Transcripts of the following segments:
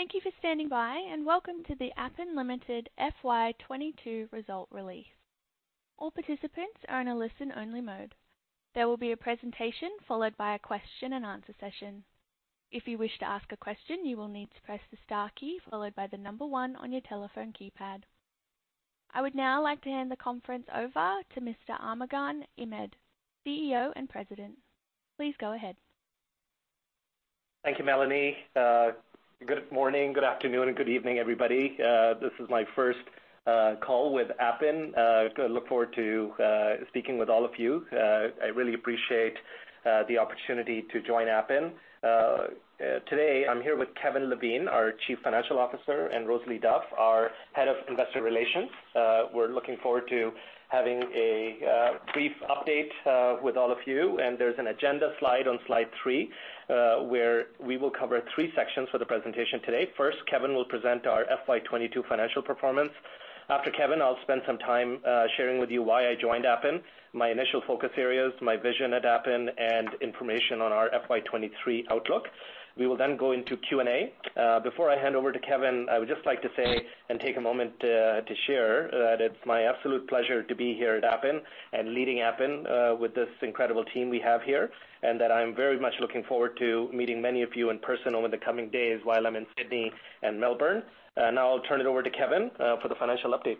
Thank you for standing by, and welcome to the Appen Limited FY 2022 result release. All participants are in a listen-only mode. There will be a presentation followed by a question-and-answer session. If you wish to ask a question, you will need to press the star key followed by the number one on your telephone keypad. I would now like to hand the conference over to Mr. Armughan Ahmad, CEO and President. Please go ahead. Thank you, Melanie. Good morning, good afternoon, and good evening, everybody. This is my first call with Appen. I look forward to speaking with all of you. I really appreciate the opportunity to join Appen. Today, I'm here with Kevin Levine, our Chief Financial Officer, and Rosalie Duff, our Head of Investor Relations. We're looking forward to having a brief update with all of you, and there's an agenda slide on slide three, where we will cover three sections for the presentation today. First, Kevin will present our FY 2022 financial performance. After Kevin, I'll spend some time sharing with you why I joined Appen, my initial focus areas, my vision at Appen, and information on our FY 2023 outlook. We will then go into Q&A. Before I hand over to Kevin, I would just like to say and take a moment to share that it's my absolute pleasure to be here at Appen and leading Appen with this incredible team we have here, and that I'm very much looking forward to meeting many of you in person over the coming days while I'm in Sydney and Melbourne. Now I'll turn it over to Kevin for the financial update.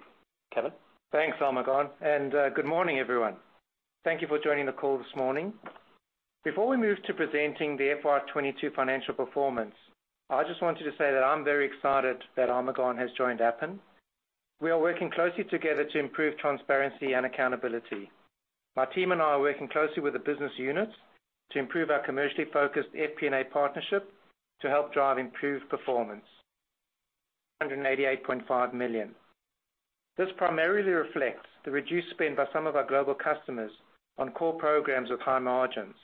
Kevin? Thanks, Armughan. Good morning, everyone. Thank you for joining the call this morning. Before we move to presenting the FY 2022 financial performance, I just wanted to say that I'm very excited that Armughan has joined Appen. We are working closely together to improve transparency and accountability. My team and I are working closely with the business units to improve our commercially focused FP&A partnership to help drive improved performance. $188.5 million. This primarily reflects the reduced spend by some of our Global customers on core programs with high margins.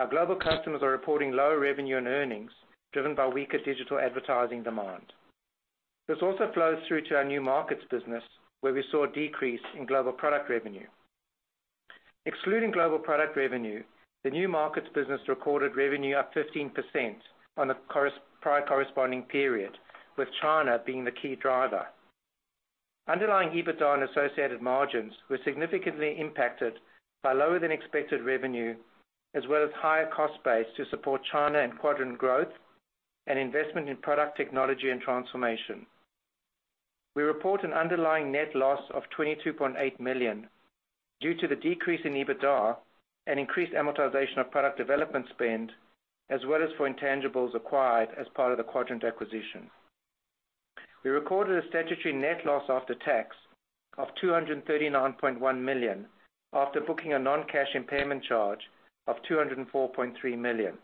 Our Global customers are reporting lower revenue and earnings, driven by weaker digital advertising demand. This also flows through to our New Markets business, where we saw a decrease in Global product revenue. Excluding Global product revenue, the New Markets business recorded revenue up 15% on the prior corresponding period, with China being the key driver. Underlying EBITDA and associated margins were significantly impacted by lower than expected revenue, as well as higher cost base to support China and Quadrant growth and investment in product technology and transformation. We report an underlying net loss of $22.8 million due to the decrease in EBITDA and increased amortization of product development spend, as well as for intangibles acquired as part of the Quadrant acquisition. We recorded a statutory net loss after tax of $239.1 million after booking a non-cash impairment charge of $204.3 million.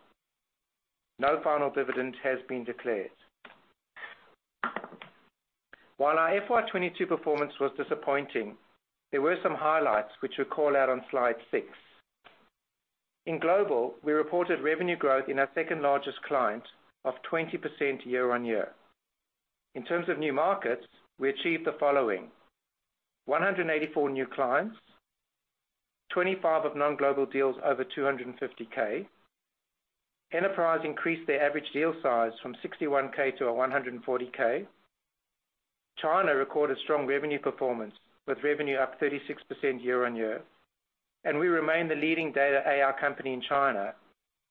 No final dividend has been declared. While our FY 2022 performance was disappointing, there were some highlights which we call out on slide six. In Global, we reported revenue growth in our second-largest client of 20% year-on-year. In terms of New Markets, we achieved the following: 184 new clients, 25 of non-Global deals over $250K. Enterprise increased their average deal size from $61K to $140K. China recorded strong revenue performance, with revenue up 36% year-on-year, and we remain the leading data AI company in China,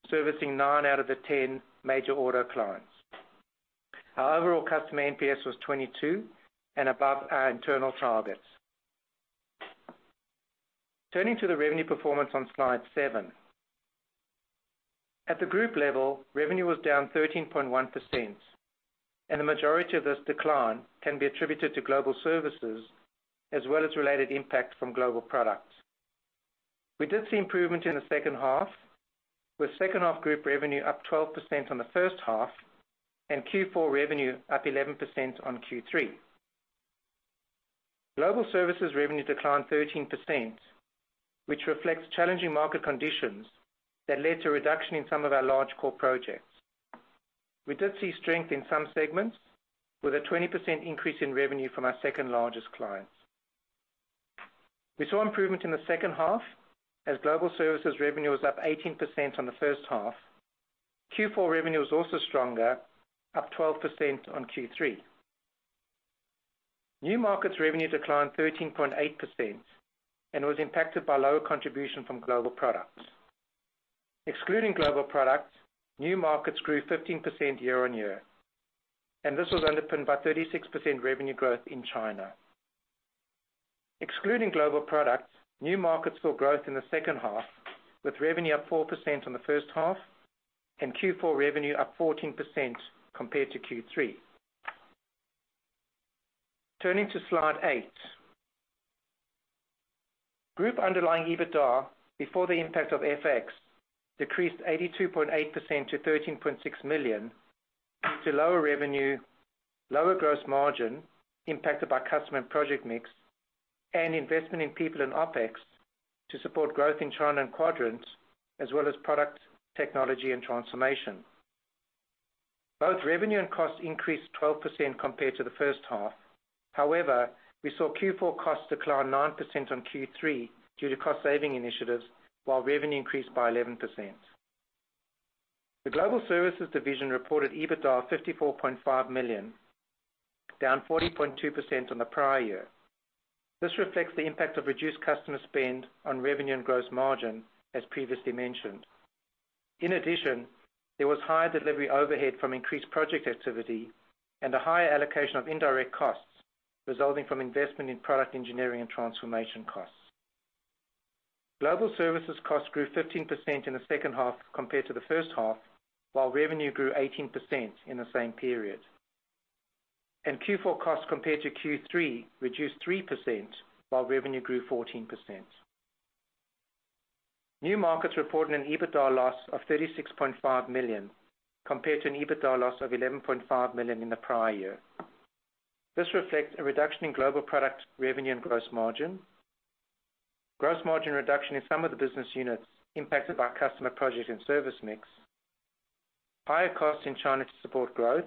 servicing nine out of the 10 major auto clients. Our overall customer NPS was 22 and above our internal targets. Turning to the revenue performance on slide seven. At the group level, revenue was down 13.1%, and the majority of this decline can be attributed to Global Services as well as related impact from Global products. We did see improvement in the second half, with second half group revenue up 12% on the first half and Q4 revenue up 11% on Q3. Global Services revenue declined 13%, which reflects challenging market conditions that led to a reduction in some of our large core projects. We did see strength in some segments with a 20% increase in revenue from our second-largest clients. We saw improvement in the second half as Global Services revenue was up 18% on the first half. Q4 revenue was also stronger, up 12% on Q3. New Markets revenue declined 13.8% and was impacted by lower contribution from Global Products. Excluding Global Products, New Markets grew 15% year-on-year, and this was underpinned by 36% revenue growth in China. Excluding Global Products, New Markets saw growth in the second half, with revenue up 4% on the first half and Q4 revenue up 14% compared to Q3. Turning to slide eight. Group underlying EBITDA, before the impact of FX, decreased 82.8% to $13.6 million due to lower revenue, lower gross margin impacted by customer and project mix, and investment in people and OpEx to support growth in China and Quadrant, as well as product, technology, and transformation. Both revenue and cost increased 12% compared to the first half. We saw Q4 costs decline 9% on Q3 due to cost-saving initiatives, while revenue increased by 11%. The Global Services division reported EBITDA of $54.5 million, down 40.2% on the prior year. This reflects the impact of reduced customer spend on revenue and gross margin, as previously mentioned. In addition, there was higher delivery overhead from increased project activity and a higher allocation of indirect costs resulting from investment in product engineering and transformation costs. Global Services costs grew 15% in the second half compared to the first half, while revenue grew 18% in the same period. Q4 costs compared to Q3 reduced 3%, while revenue grew 14%. New Markets reported an EBITDA loss of $36.5 million, compared to an EBITDA loss of $11.5 million in the prior year. This reflects a reduction in global product revenue and gross margin. Gross margin reduction in some of the business units impacted by customer projects and service mix. Higher costs in China to support growth.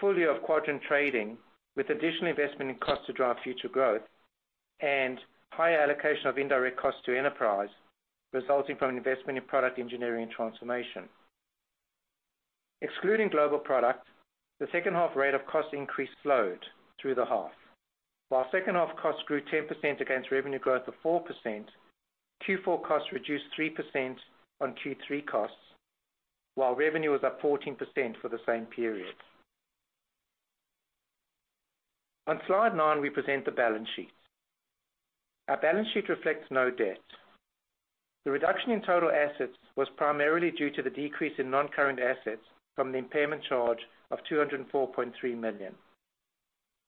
Fully of Quadrant trading, with additional investment in costs to drive future growth and higher allocation of indirect costs to enterprise, resulting from investment in product engineering and transformation. Excluding global product, the second half rate of cost increase slowed through the half. While second half costs grew 10% against revenue growth of 4%, Q4 costs reduced 3% on Q3 costs, while revenue was up 14% for the same period. On slide nine, we present the balance sheet. Our balance sheet reflects no debt. The reduction in total assets was primarily due to the decrease in non-current assets from the impairment charge of $204.3 million.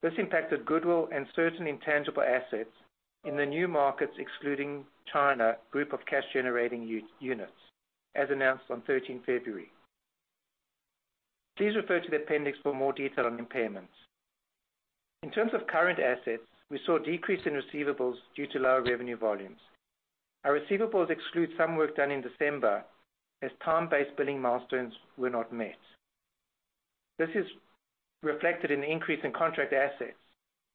This impacted goodwill and certain intangible assets in the New Markets, excluding China group of cash-generating units, as announced on 13th February. Please refer to the appendix for more detail on impairments. In terms of current assets, we saw a decrease in receivables due to lower revenue volumes. Our receivables exclude some work done in December as time-based billing milestones were not met. This is reflected in the increase in contract assets,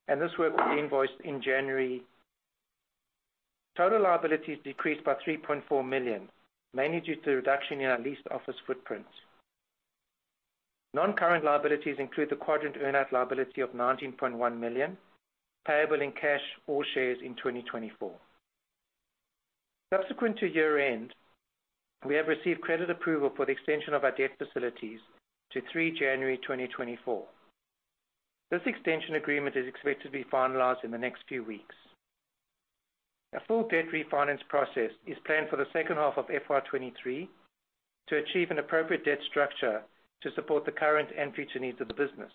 and this work will be invoiced in January. Total liabilities decreased by $3.4 million, mainly due to the reduction in our leased office footprint. Non-current liabilities include the Quadrant earn-out liability of $19.1 million, payable in cash or shares in 2024. Subsequent to year-end, we have received credit approval for the extension of our debt facilities to 3 January 2024. This extension agreement is expected to be finalized in the next few weeks. A full debt refinance process is planned for the second half of FY 2023 to achieve an appropriate debt structure to support the current and future needs of the business.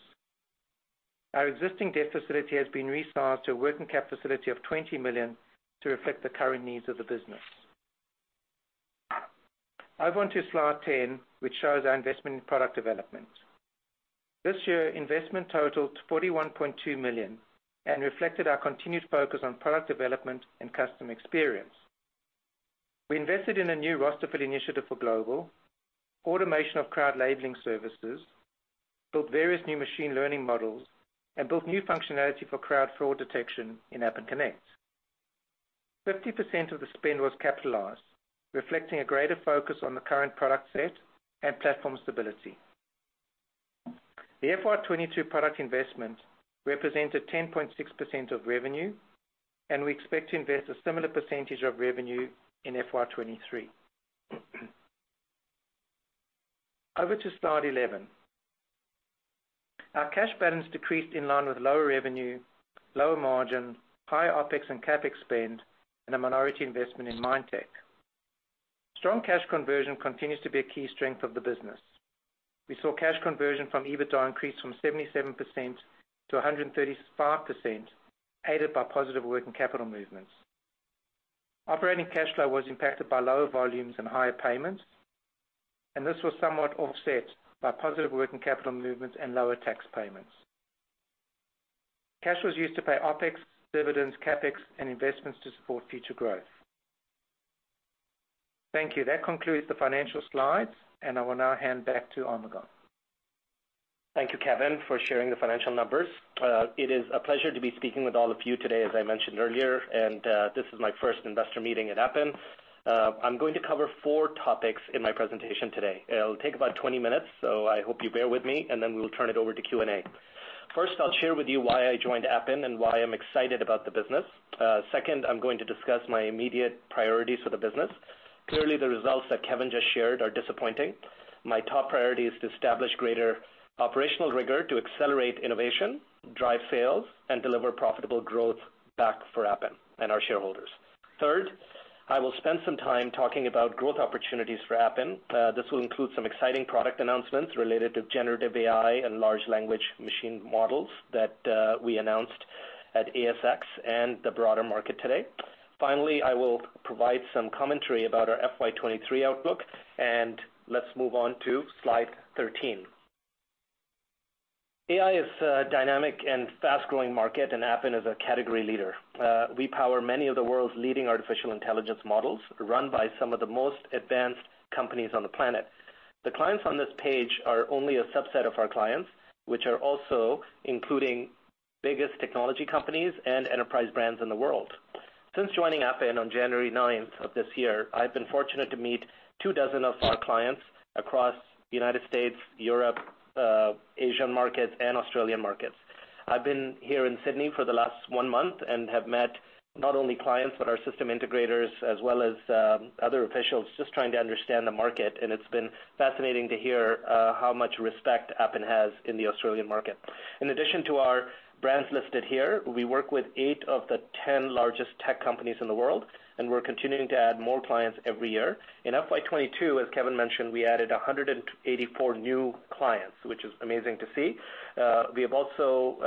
Our existing debt facility has been resized to a working capital facility of $20 million to reflect the current needs of the business. Over on to slide 10, which shows our investment in product development. This year, investment totaled $41.2 million and reflected our continued focus on product development and customer experience. We invested in a new roster fit initiative for Global, automation of crowd labeling services, built various new machine learning models, and built new functionality for crowd fraud detection in Appen Connect. 50% of the spend was capitalized, reflecting a greater focus on the current product set and platform stability. The FY 2022 product investment represented 10.6% of revenue, and we expect to invest a similar percentage of revenue in FY 2023. Over to slide 11. Our cash balance decreased in line with lower revenue, lower margin, higher OpEx and CapEx spend, and a minority investment in Mindtech. Strong cash conversion continues to be a key strength of the business. We saw cash conversion from EBITDA increase from 77% to 135%, aided by positive working capital movements. Operating cash flow was impacted by lower volumes and higher payments. This was somewhat offset by positive working capital movements and lower tax payments. Cash was used to pay OpEx, dividends, CapEx, and investments to support future growth. Thank you. That concludes the financial slides. I will now hand back to Armughan. Thank you, Kevin, for sharing the financial numbers. It is a pleasure to be speaking with all of you today, as I mentioned earlier, this is my first investor meeting at Appen. I'm going to cover four topics in my presentation today. It'll take about 20 minutes, so I hope you bear with me. Then we will turn it over to Q&A. First, I'll share with you why I joined Appen and why I'm excited about the business. Second, I'm going to discuss my immediate priorities for the business. Clearly, the results that Kevin just shared are disappointing. My top priority is to establish greater operational rigor to accelerate innovation, drive sales, and deliver profitable growth back for Appen and our shareholders. Third, I will spend some time talking about growth opportunities for Appen. This will include some exciting product announcements related to generative AI and large language machine models that we announced at ASX and the broader market today. Finally, I will provide some commentary about our FY 2023 outlook. Let's move on to slide 13. AI is a dynamic and fast-growing market. Appen is a category leader. We power many of the world's leading artificial intelligence models run by some of the most advanced companies on the planet. The clients on this page are only a subset of our clients, which are also including biggest technology companies and enterprise brands in the world. Since joining Appen on January ninth of this year, I've been fortunate to meet two dozen of our clients across United States, Europe, Asian markets, and Australian markets. I've been here in Sydney for the last one month and have met not only clients, but our system integrators as well as, other officials just trying to understand the market. It's been fascinating to hear, how much respect Appen has in the Australian market. In addition to our brands listed here, we work with eight of the ten largest tech companies in the world. We're continuing to add more clients every year. In FY 2022, as Kevin mentioned, we added 184 new clients, which is amazing to see. We have also,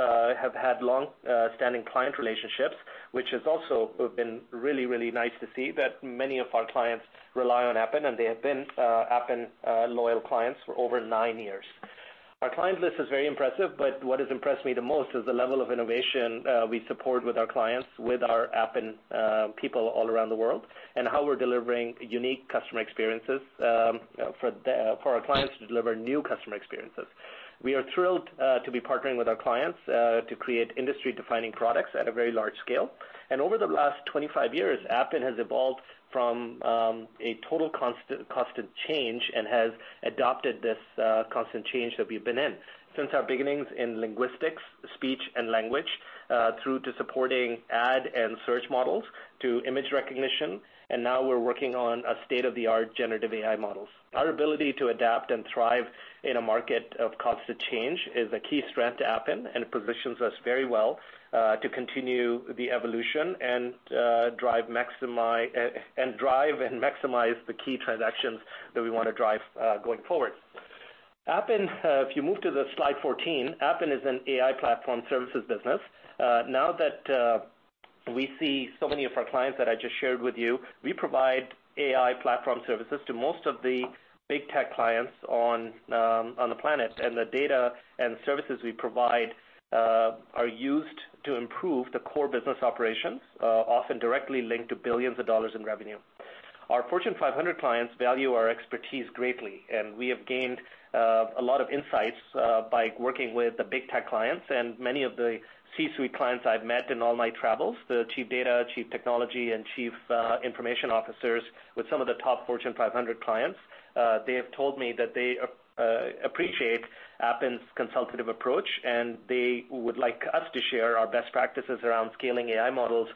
have had long, standing client relationships, which has also have been really, really nice to see that many of our clients rely on Appen. They have been, Appen, loyal clients for over nine years. Our client list is very impressive, but what has impressed me the most is the level of innovation, we support with our clients, with our Appen people all around the world, and how we're delivering unique customer experiences, for our clients to deliver new customer experiences. We are thrilled to be partnering with our clients to create industry-defining products at a very large scale. Over the last 25 years, Appen has evolved from a total constant change and has adopted this constant change that we've been in. Since our beginnings in linguistics, speech, and language, through to supporting ad and search models to image recognition, and now we're working on a state-of-the-art generative AI models. Our ability to adapt and thrive in a market of constant change is a key strength to Appen and positions us very well to continue the evolution and drive and maximize the key transactions that we wanna drive going forward. Appen, if you move to the slide 14, Appen is an AI platform services business. Now that we see so many of our clients that I just shared with you, we provide AI platform services to most of the big tech clients on the planet, and the data and services we provide are used to improve the core business operations often directly linked to billions of dollars in revenue. Our Fortune 500 clients value our expertise greatly. We have gained a lot of insights by working with the big tech clients and many of the C-suite clients I've met in all my travels, the Chief Data, Chief Technology, and Chief Information Officers with some of the top Fortune 500 clients. They have told me that they appreciate Appen's consultative approach. They would like us to share our best practices around scaling AI models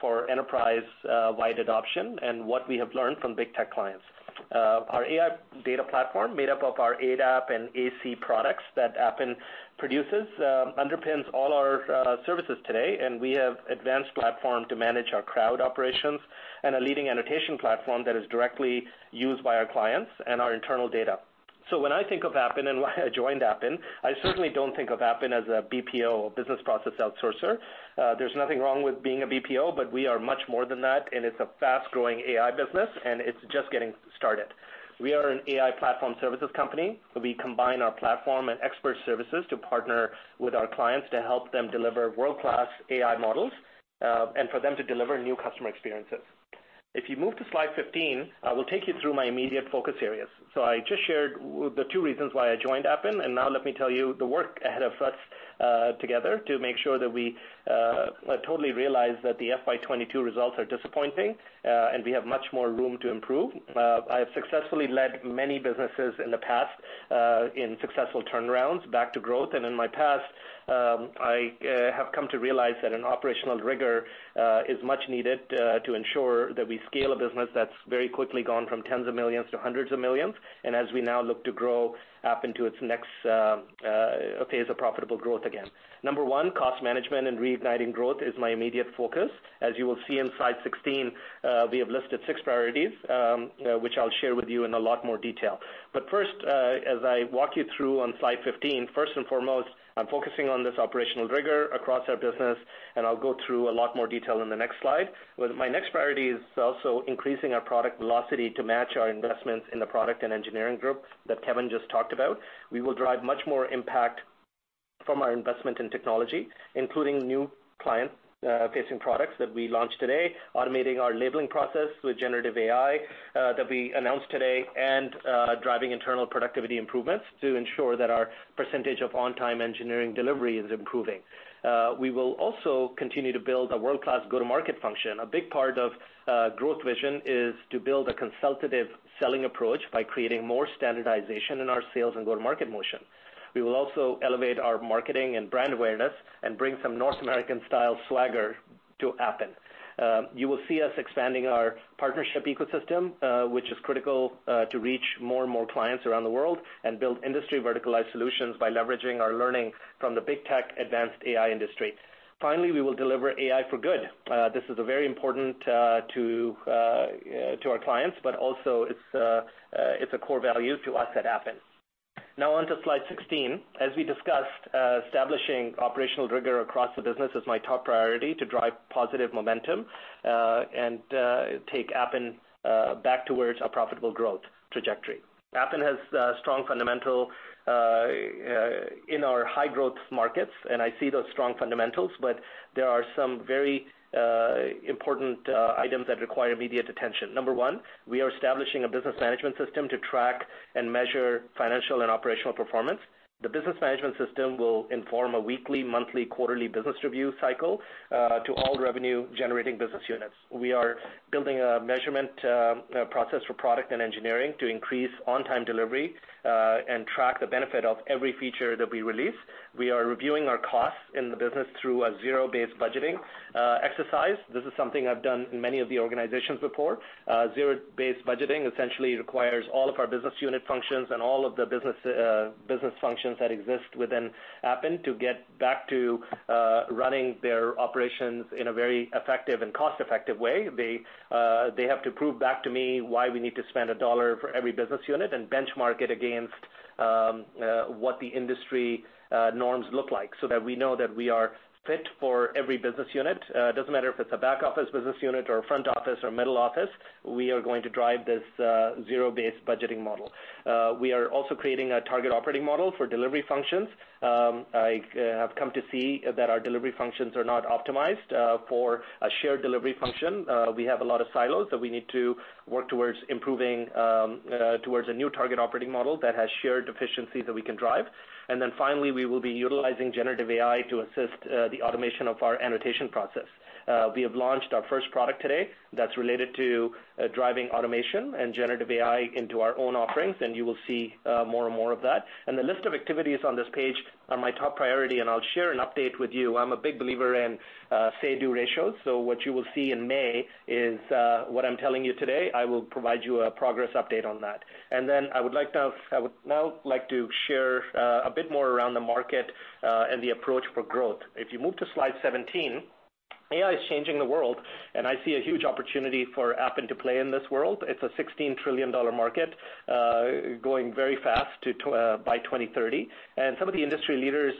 for enterprise-wide adoption and what we have learned from big tech clients. Our AI data platform, made up of our ADAP and AC products that Appen produces, underpins all our services today. We have advanced platform to manage our crowd operations and a leading annotation platform that is directly used by our clients and our internal data. When I think of Appen and why I joined Appen, I certainly don't think of Appen as a BPO or business process outsourcer. There's nothing wrong with being a BPO, but we are much more than that, and it's a fast-growing AI business, and it's just getting started. We are an AI platform services company, where we combine our platform and expert services to partner with our clients to help them deliver world-class AI models and for them to deliver new customer experiences. If you move to slide 15, I will take you through my immediate focus areas. I just shared the two reasons why I joined Appen, and now let me tell you the work ahead of us together to make sure that we totally realize that the FY 2022 results are disappointing, and we have much more room to improve. I have successfully led many businesses in the past in successful turnarounds back to growth. In my past, I have come to realize that an operational rigor is much needed to ensure that we scale a business that's very quickly gone from tens of millions to hundreds of millions, and as we now look to grow Appen to its next phase of profitable growth again. Number one, cost management and reigniting growth is my immediate focus. As you will see in slide 16, we have listed six priorities, which I'll share with you in a lot more detail. First, as I walk you through on slide 15, first and foremost, I'm focusing on this operational rigor across our business, and I'll go through a lot more detail in the next slide. Well, my next priority is also increasing our product velocity to match our investments in the product and engineering group that Kevin just talked about. We will drive much more impact from our investment in technology, including new client facing products that we launched today, automating our labeling process with generative AI that we announced today, and driving internal productivity improvements to ensure that our percentage of on-time engineering delivery is improving. We will also continue to build a world-class go-to-market function. A big part of growth vision is to build a consultative selling approach by creating more standardization in our sales and go-to-market motion. We will also elevate our marketing and brand awareness and bring some North American style swagger to Appen. You will see us expanding our partnership ecosystem, which is critical to reach more and more clients around the world and build industry verticalized solutions by leveraging our learning from the big tech advanced AI industry. Finally, we will deliver AI for good. This is a very important To our clients, but also it's a core value to us at Appen. Now on to slide 16. As we discussed, establishing operational rigor across the business is my top priority to drive positive momentum and take Appen back towards a profitable growth trajectory. Appen has strong fundamental in our high-growth markets, and I see those strong fundamentals, but there are some very important items that require immediate attention. Number one, we are establishing a business management system to track and measure financial and operational performance. The business management system will inform a weekly, monthly, quarterly business review cycle to all revenue-generating business units. We are building a measurement process for product and engineering to increase on-time delivery and track the benefit of every feature that we release. We are reviewing our costs in the business through a zero-based budgeting exercise. This is something I've done in many of the organizations before. Zero-based budgeting essentially requires all of our business unit functions and all of the business functions that exist within Appen to get back to running their operations in a very effective and cost-effective way. They have to prove back to me why we need to spend $1 for every business unit and benchmark it against what the industry norms look like so that we know that we are fit for every business unit. It doesn't matter if it's a back-office business unit or a front office or middle office, we are going to drive this zero-based budgeting model. We are also creating a target operating model for delivery functions. I have come to see that our delivery functions are not optimized for a shared delivery function. We have a lot of silos, so we need to work towards improving towards a new target operating model that has shared efficiencies that we can drive. Finally, we will be utilizing generative AI to assist the automation of our annotation process. We have launched our first product today that's related to driving automation and generative AI into our own offerings, you will see more and more of that. The list of activities on this page are my top priority, and I'll share an update with you. I'm a big believer in say, do ratios. What you will see in May is what I'm telling you today. I will provide you a progress update on that. I would now like to share a bit more around the market and the approach for growth. If you move to slide 17, AI is changing the world, I see a huge opportunity for Appen to play in this world. It's a $16 trillion market, going very fast to by 2030. Some of the industry leaders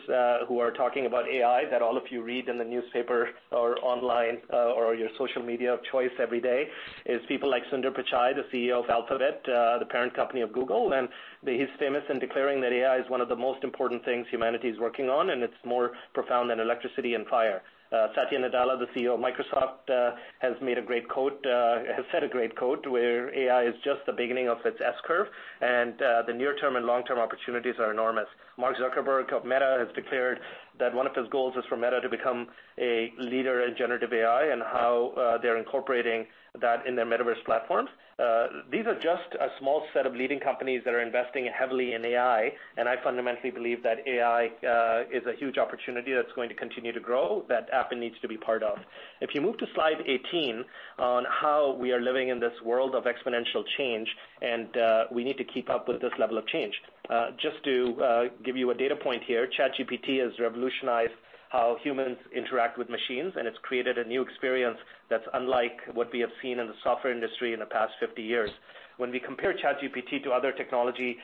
who are talking about AI that all of you read in the newspaper or online or your social media of choice every day is people like Sundar Pichai, the CEO of Alphabet, the parent company of Google. He's famous in declaring that AI is one of the most important things humanity is working on, and it's more profound than electricity and fire. Satya Nadella, the CEO of Microsoft, has made a great quote, has said a great quote where AI is just the beginning of its S-curve, and the near-term and long-term opportunities are enormous. Mark Zuckerberg of Meta has declared that one of his goals is for Meta to become a leader in generative AI and how they're incorporating that in their metaverse platforms. These are just a small set of leading companies that are investing heavily in AI, and I fundamentally believe that AI is a huge opportunity that's going to continue to grow that Appen needs to be part of. If you move to slide 18 on how we are living in this world of exponential change, and we need to keep up with this level of change. Just to give you a data point here, ChatGPT has revolutionized how humans interact with machines, and it's created a new experience that's unlike what we have seen in the software industry in the past 50 years. When we compare ChatGPT to other technology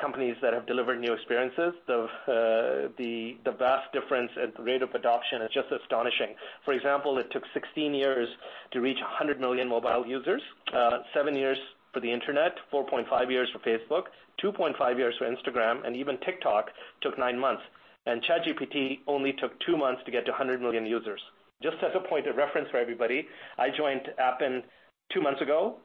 companies that have delivered new experiences, the vast difference at the rate of adoption is just astonishing. For example, it took 16 years to reach 100 million mobile users, seven years for the Internet, four point five years for Facebook, two point five years for Instagram, and even TikTok took nine months. ChatGPT only took two months to get to 100 million users. Just as a point of reference for everybody, I joined Appen two months ago.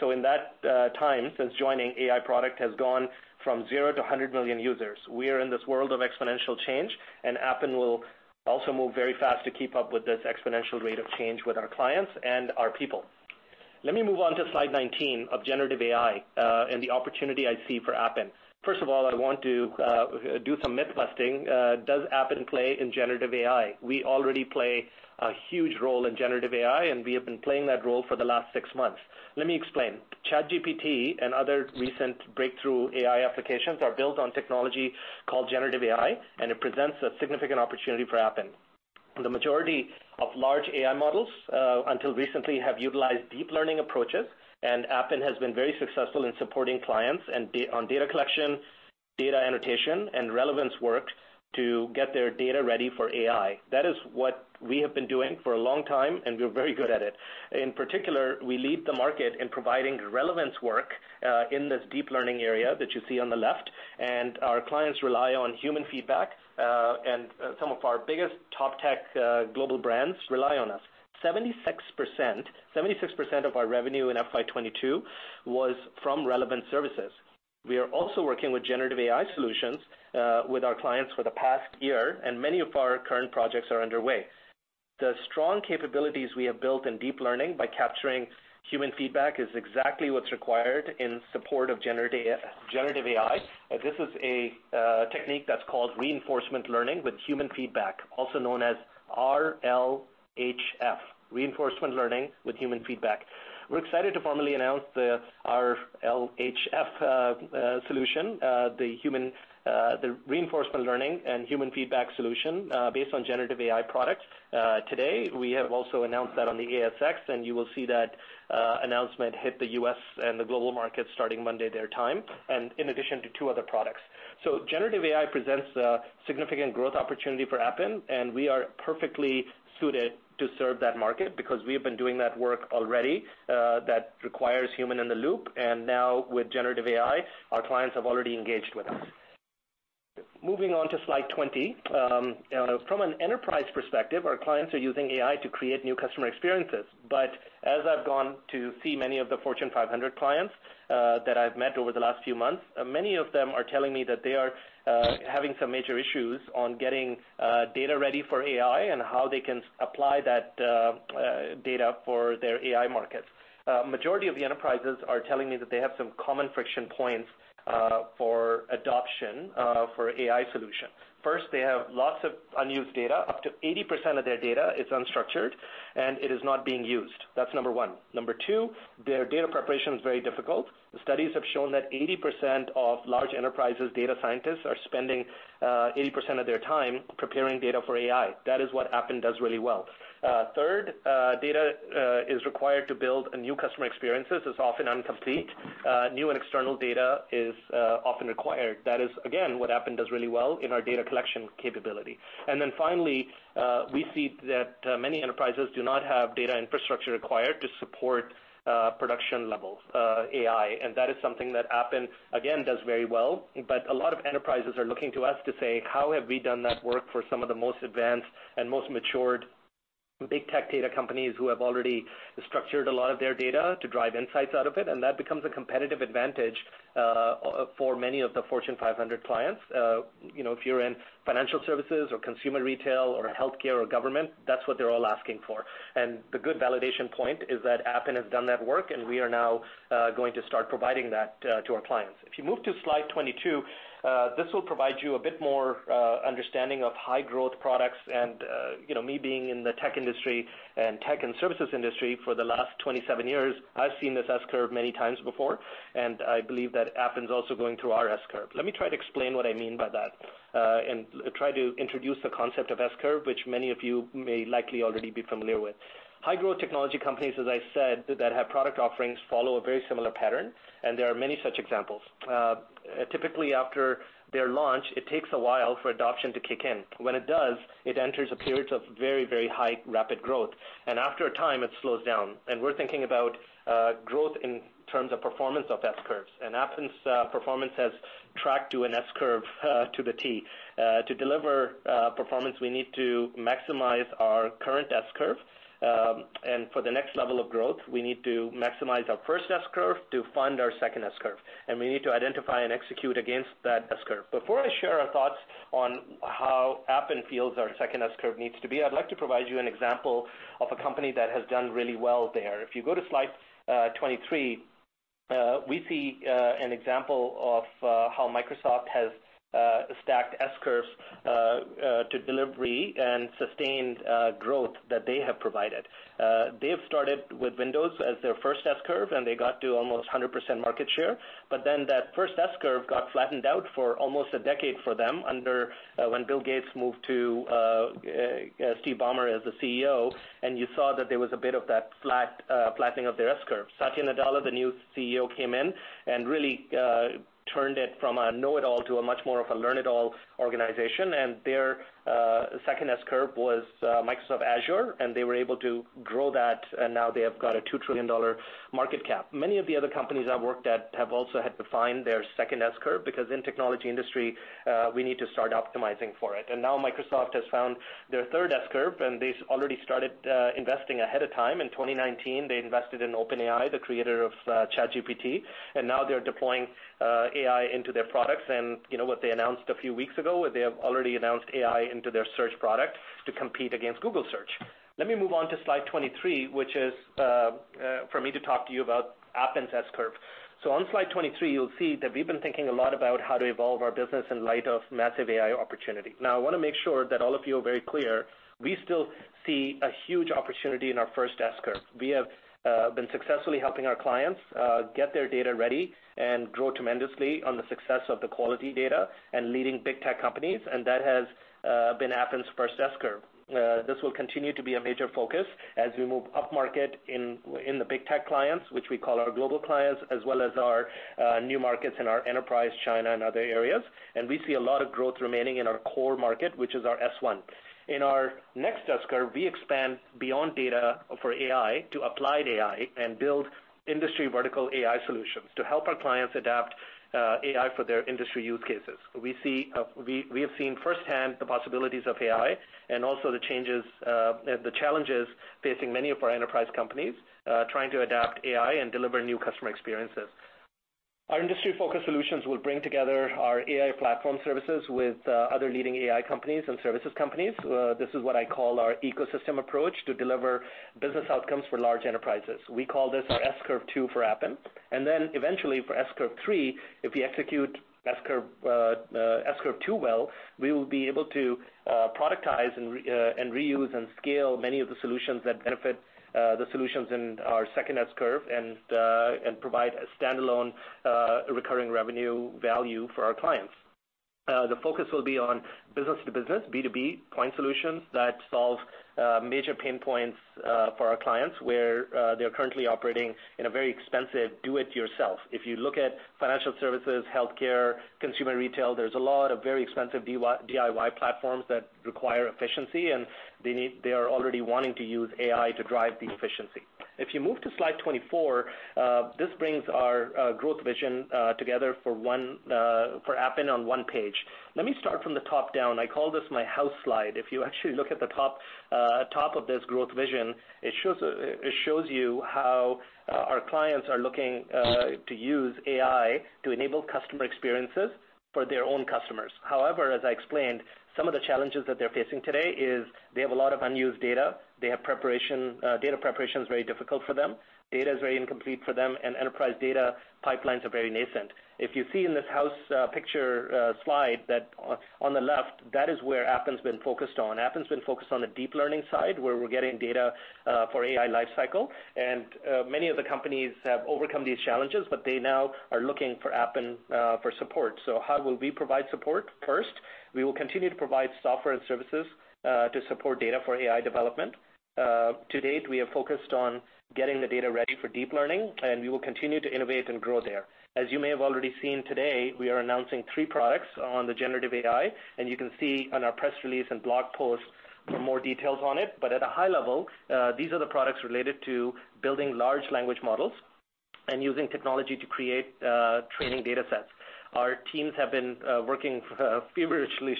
So in that time since joining, AI product has gone from zero to 100 million users. We are in this world of exponential change, and Appen will also move very fast to keep up with this exponential rate of change with our clients and our people. Let me move on to slide 19 of generative AI, and the opportunity I see for Appen. First of all, I want to do some myth-busting. Does Appen play in generative AI? We already play a huge role in generative AI, and we have been playing that role for the last six months. Let me explain. ChatGPT and other recent breakthrough AI applications are built on technology called generative AI, and it presents a significant opportunity for Appen. The majority of large AI models, until recently, have utilized deep learning approaches, and Appen has been very successful in supporting clients and on data collection, data annotation, and relevance work to get their data ready for AI. That is what we have been doing for a long time, and we're very good at it. In particular, we lead the market in providing relevance work, in this deep learning area that you see on the left, and our clients rely on human feedback, and some of our biggest top tech global brands rely on us. 76% of our revenue in FY 2022 was from relevant services. We are also working with generative AI solutions with our clients for the past year, and many of our current projects are underway. The strong capabilities we have built in deep learning by capturing human feedback is exactly what's required in support of generative AI. This is a technique that's called reinforcement learning with human feedback, also known as RLHF, reinforcement learning with human feedback. We're excited to formally announce the RLHF solution, the reinforcement learning and human feedback solution, based on generative AI products today. We have also announced that on the ASX, and you will see that announcement hit the U.S. and the global market starting Monday their time, and in addition to two other products. Generative AI presents a significant growth opportunity for Appen, and we are perfectly suited to serve that market because we have been doing that work already that requires human in the loop. Now with generative AI, our clients have already engaged with us. Moving on to slide 20. From an enterprise perspective, our clients are using AI to create new customer experiences. As I've gone to see many of the Fortune 500 clients that I've met over the last few months, many of them are telling me that they are having some major issues on getting data ready for AI and how they can apply that data for their AI markets. Majority of the enterprises are telling me that they have some common friction points for adoption for AI solutions. First, they have lots of unused data. Up to 80% of their data is unstructured and it is not being used. That's number one. Number two, their data preparation is very difficult. Studies have shown that 80% of large enterprises' data scientists are spending 80% of their time preparing data for AI. That is what Appen does really well. Third, data is required to build new customer experiences is often incomplete. New and external data is often required. That is, again, what Appen does really well in our data collection capability. Finally, we see that many enterprises do not have data infrastructure required to support production levels AI. That is something that Appen again, does very well. A lot of enterprises are looking to us to say, how have we done that work for some of the most advanced and most matured big tech data companies who have already structured a lot of their data to drive insights out of it, and that becomes a competitive advantage for many of the Fortune 500 clients. You know, if you're in financial services or consumer retail or healthcare or government, that's what they're all asking for. The good validation point is that Appen has done that work and we are now going to start providing that to our clients. If you move to slide 22, this will provide you a bit more understanding of high growth products. You know me being in the tech industry and tech and services industry for the last 27 years, I've seen this S-curve many times before. I believe that Appen is also going through our S-curve. Let me try to explain what I mean by that and try to introduce the concept of S-curve, which many of you may likely already be familiar with. High growth technology companies, as I said, that have product offerings follow a very similar pattern, and there are many such examples. Typically after their launch, it takes a while for adoption to kick in. When it does, it enters a period of very, very high rapid growth, and after a time it slows down. We're thinking about growth in terms of performance of S-curves. Appen's performance has tracked to an S-curve to the T. To deliver performance, we need to maximize our current S-curve. For the next level of growth, we need to maximize our first S-curve to fund our second S-curve, and we need to identify and execute against that S-curve. Before I share our thoughts on how Appen feels our second S-curve needs to be, I'd like to provide you an example of a company that has done really well there. If you go to slide 23, we see an example of how Microsoft has stacked S-curves to delivery and sustained growth that they have provided. They've started with Windows as their first S-curve, they got to almost 100% market share. That first S-curve got flattened out for almost a decade for them under when Bill Gates moved to Steve Ballmer as the CEO. You saw that there was a bit of that flat flattening of their S-curve. Satya Nadella, the new CEO, came in and really turned it from a know-it-all to a much more of a learn-it-all organization. Their second S-curve was Microsoft Azure, and they were able to grow that, and now they have got a $2 trillion market cap. Many of the other companies I've worked at have also had to find their second S-curve because in technology industry, we need to start optimizing for it. Now Microsoft has found their third S-curve, and they already started investing ahead of time. In 2019, they invested in OpenAI, the creator of ChatGPT, and now they're deploying AI into their products. You know what they announced a few weeks ago, they have already announced AI into their search product to compete against Google search. Let me move on to slide 23, which is for me to talk to you about Appen's S-curve. On slide 23, you'll see that we've been thinking a lot about how to evolve our business in light of massive AI opportunity. I wanna make sure that all of you are very clear. We still see a huge opportunity in our first S-curve. We have been successfully helping our clients get their data ready and grow tremendously on the success of the quality data and leading big tech companies, and that has been Appen's first S-curve. This will continue to be a major focus as we move upmarket in the big tech clients, which we call our global clients, as well as our New Markets in our enterprise, China, and other areas. We see a lot of growth remaining in our core market, which is our S-curve one. In our next S-curve, we expand beyond data for AI to applied AI and build industry vertical AI solutions to help our clients adapt AI for their industry use cases. We have seen firsthand the possibilities of AI and also the changes, the challenges facing many of our enterprise companies trying to adapt AI and deliver new customer experiences. Our industry-focused solutions will bring together our AI platform services with other leading AI companies and services companies. This is what I call our ecosystem approach to deliver business outcomes for large enterprises. We call this our S-curve two for Appen. Eventually for S-curve three, if we execute S-curve two well, we will be able to productize and reuse and scale many of the solutions that benefit the solutions in our second S-curve and provide a standalone recurring revenue value for our clients. The focus will be on business-to-business, B2B point solutions that solve major pain points for our clients where they're currently operating in a very expensive do it yourself. If you look at financial services, healthcare, consumer retail, there's a lot of very expensive DIY platforms that require efficiency, and they need they are already wanting to use AI to drive the efficiency. If you move to slide 24, this brings our growth vision together for Appen on one page. Let me start from the top down. I call this my house slide. If you actually look at the top of this growth vision, it shows, it shows you how our clients are looking to use AI to enable customer experiences for their own customers. As I explained, some of the challenges that they're facing today is they have a lot of unused data. Data preparation is very difficult for them. Data is very incomplete for them, enterprise data pipelines are very nascent. If you see in this house, picture, slide that on the left, that is where Appen's been focused on. Appen's been focused on the deep learning side, where we're getting data for AI life cycle. Many of the companies have overcome these challenges, but they now are looking for Appen for support. How will we provide support? First, we will continue to provide software and services to support data for AI development. To date, we have focused on getting the data ready for deep learning, and we will continue to innovate and grow there. As you may have already seen today, we are announcing three products on the generative AI, and you can see on our press release and blog posts for more details on it. At a high level, these are the products related to building large language models and using technology to create training data sets. Our teams have been working feverishly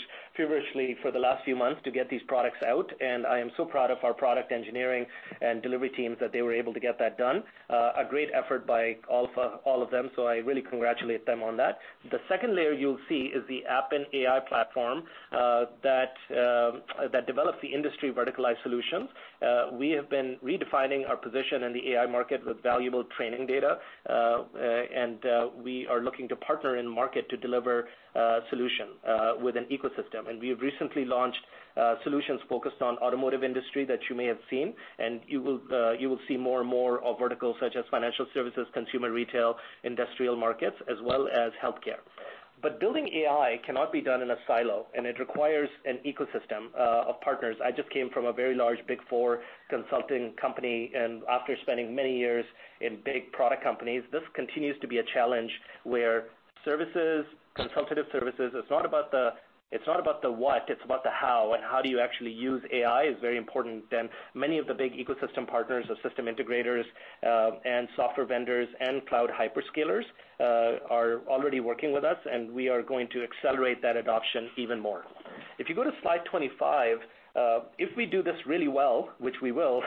for the last few months to get these products out, and I am so proud of our product engineering and delivery teams that they were able to get that done. A great effort by all of them, so I really congratulate them on that. The second layer you'll see is the Appen AI Platform that develops the industry verticalized solutions. We have been redefining our position in the AI market with valuable training data, and we are looking to partner in market to deliver a solution with an ecosystem. We have recently launched solutions focused on automotive industry that you may have seen, and you will see more and more of verticals such as financial services, consumer retail, industrial markets, as well as healthcare. Building AI cannot be done in a silo, and it requires an ecosystem of partners. I just came from a very large big four consulting company, and after spending many years in big product companies, this continues to be a challenge where services, consultative services, it's not about the, it's not about the what, it's about the how. How do you actually use AI is very important. Many of the big ecosystem partners or system integrators, and software vendors and cloud hyperscalers are already working with us, and we are going to accelerate that adoption even more. If you go to slide 25, if we do this really well, which we will,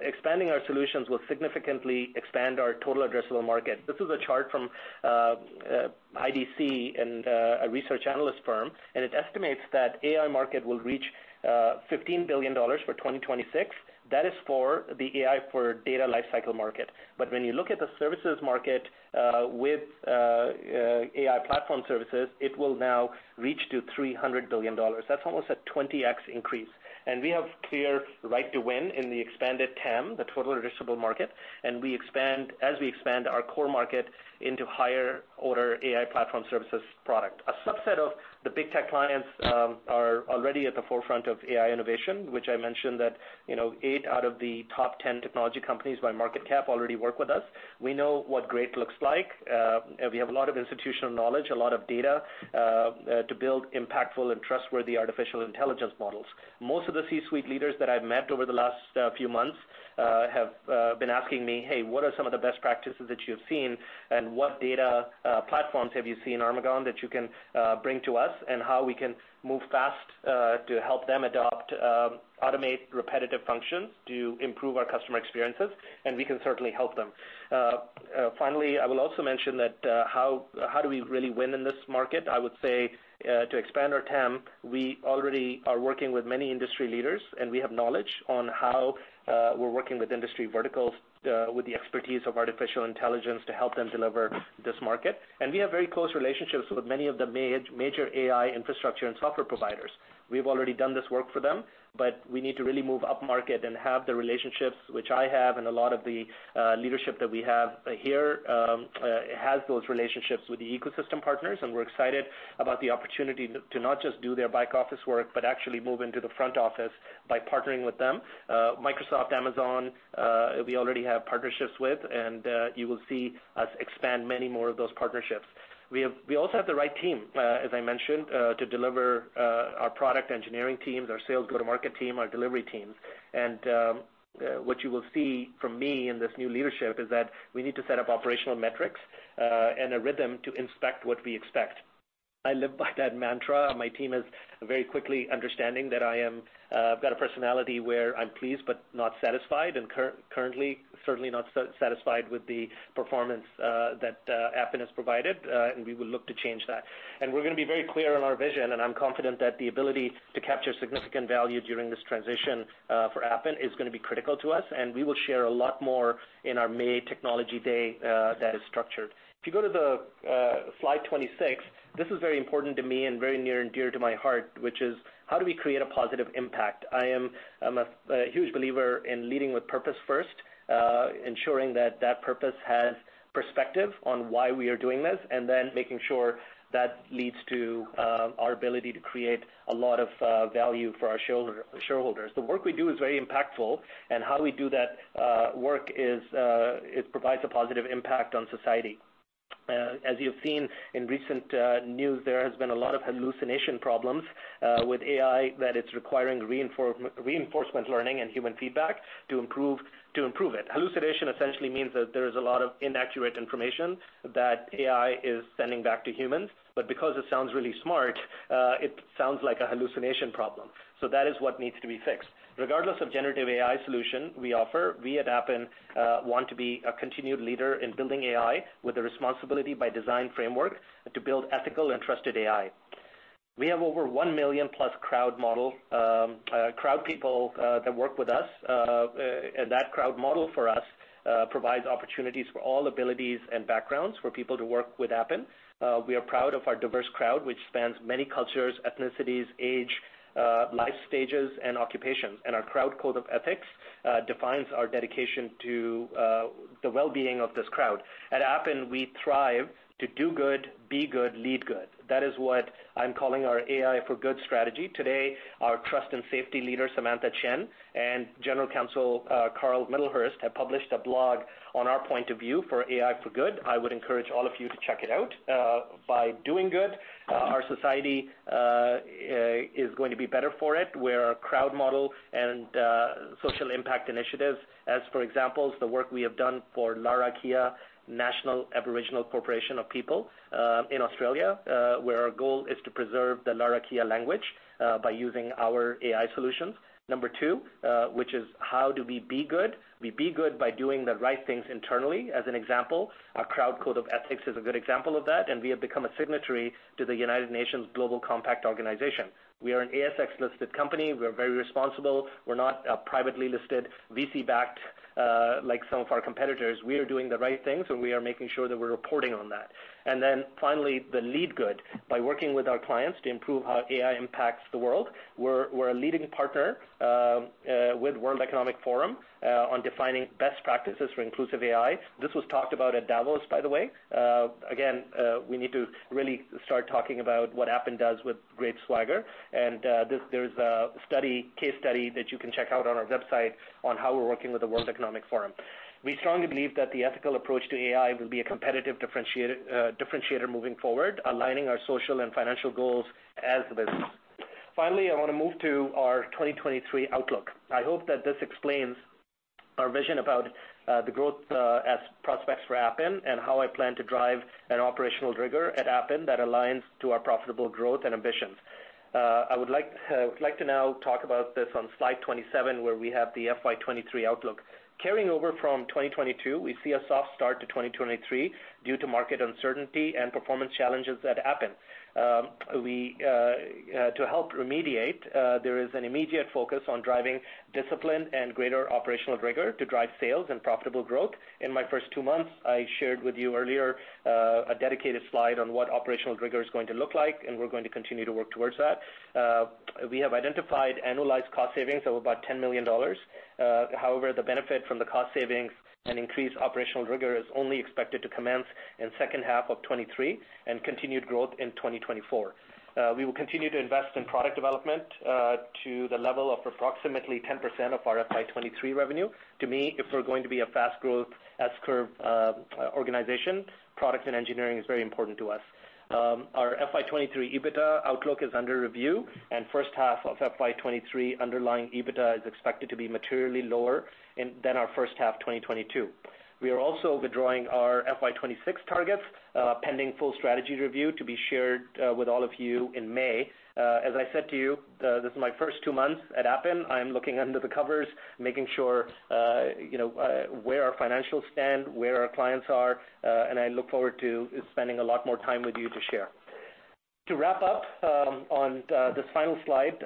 expanding our solutions will significantly expand our total addressable market. This is a chart from IDC, a research analyst firm. It estimates that AI market will reach $15 billion for 2026. That is for the AI for data lifecycle market. When you look at the services market with AI platform services, it will now reach to $300 billion. That's almost a 20x increase. We have clear right to win in the expanded TAM, the total addressable market. As we expand our core market into higher order AI platform services product. A subset of the big tech clients are already at the forefront of AI innovation, which I mentioned that, you know, eight out of the top 10 technology companies by market cap already work with us. We know what great looks like. We have a lot of institutional knowledge, a lot of data to build impactful and trustworthy artificial intelligence models. Most of the C-suite leaders that I've met over the last few months have been asking me, "Hey, what are some of the best practices that you've seen? And what data platforms have you seen, Armughan, that you can bring to us? And how we can move fast to help them adopt, automate repetitive functions to improve our customer experiences?" We can certainly help them. Finally, I will also mention that how do we really win in this market? I would say, to expand our TAM, we already are working with many industry leaders, and we have knowledge on how we're working with industry verticals with the expertise of artificial intelligence to help them deliver this market. We have very close relationships with many of the major AI infrastructure and software providers. We've already done this work for them, but we need to really move up market and have the relationships which I have and a lot of the leadership that we have here has those relationships with the ecosystem partners, and we're excited about the opportunity to not just do their back office work, but actually move into the front office by partnering with them. Microsoft, Amazon, we already have partnerships with, and you will see us expand many more of those partnerships. We also have the right team, as I mentioned, to deliver, our product engineering teams, our sales go-to-market team, our delivery teams. What you will see from me in this new leadership is that we need to set up operational metrics, and a rhythm to inspect what we expect. I live by that mantra. My team is very quickly understanding that I am, I've got a personality where I'm pleased but not satisfied, and currently, certainly not satisfied with the performance, that Appen has provided, and we will look to change that. We're gonna be very clear on our vision, and I'm confident that the ability to capture significant value during this transition for Appen is gonna be critical to us, and we will share a lot more in our May technology day that is structured. If you go to the slide 26, this is very important to me and very near and dear to my heart, which is how do we create a positive impact? I am a huge believer in leading with purpose first, ensuring that that purpose has perspective on why we are doing this, and then making sure that leads to our ability to create a lot of value for our shareholders. The work we do is very impactful, and how we do that work is, it provides a positive impact on society. As you've seen in recent news, there has been a lot of hallucination problems with AI, that it's requiring reinforcement learning and human feedback to improve it. Hallucination essentially means that there is a lot of inaccurate information that AI is sending back to humans, but because it sounds really smart, it sounds like a hallucination problem. That is what needs to be fixed. Regardless of generative AI solution we offer, we at Appen want to be a continued leader in building AI with the responsibility by design framework to build ethical and trusted AI. We have over 1 million+ crowd model, crowd people who work with us. That crowd model for us provides opportunities for all abilities and backgrounds for people to work with Appen. We are proud of our diverse crowd, which spans many cultures, ethnicities, age, life stages, and occupations. Our crowd code of ethics defines our dedication to the well-being of this crowd. At Appen, we thrive to do good, be good, lead good. That is what I'm calling our AI for good strategy. Today, our trust and safety leader, Samantha Chan, and General Counsel Carl Middlehurst, have published a blog on our point of view for AI for good. I would encourage all of you to check it out. By doing good, our society is going to be better for it, where our crowd model and social impact initiatives, as, for example, the work we have done for Larrakia Nation Aboriginal Corporation of People, in Australia, where our goal is to preserve the Larrakia language, by using our AI solutions. Number two, which is how do we be good? We be good by doing the right things internally. As an example, our crowd code of ethics is a good example of that. We have become a signatory to the United Nations Global Compact Organization. We are an ASX-listed company. We're very responsible. We're not a privately listed VC-backed, like some of our competitors. We are doing the right things, and we are making sure that we're reporting on that. Finally, the lead good, by working with our clients to improve how AI impacts the world. We're a leading partner with World Economic Forum on defining best practices for inclusive AI. This was talked about at Davos, by the way. Again, we need to really start talking about what Appen does with great swagger. There's a study, case study that you can check out on our website on how we're working with the World Economic Forum. We strongly believe that the ethical approach to AI will be a competitive differentiator moving forward, aligning our social and financial goals as a business. Finally, I wanna move to our 2023 outlook. I hope that this explains our vision about the growth as prospects for Appen and how I plan to drive an operational rigor at Appen that aligns to our profitable growth and ambitions. I would like to now talk about this on slide 27, where we have the FY 2023 outlook. Carrying over from 2022, we see a soft start to 2023 due to market uncertainty and performance challenges at Appen. We to help remediate, there is an immediate focus on driving discipline and greater operational rigor to drive sales and profitable growth. In my first two months, I shared with you earlier a dedicated slide on what operational rigor is going to look like, and we're going to continue to work towards that. We have identified annualized cost savings of about $10 million. However, the benefit from the cost savings and increased operational rigor is only expected to commence in second half of 2023 and continued growth in 2024. We will continue to invest in product development to the level of approximately 10% of our FY 2023 revenue. To me, if we're going to be a fast growth S-curve organization, product and engineering is very important to us. Our FY 2023 EBITDA outlook is under review, and first half of FY 2023 underlying EBITDA is expected to be materially lower than our first half 2022. We are also withdrawing our FY 2026 targets pending full strategy review to be shared with all of you in May. As I said to you, this is my first two months at Appen. I'm looking under the covers, making sure, you know, where our financials stand, where our clients are. I look forward to spending a lot more time with you to share. To wrap up, on this final slide,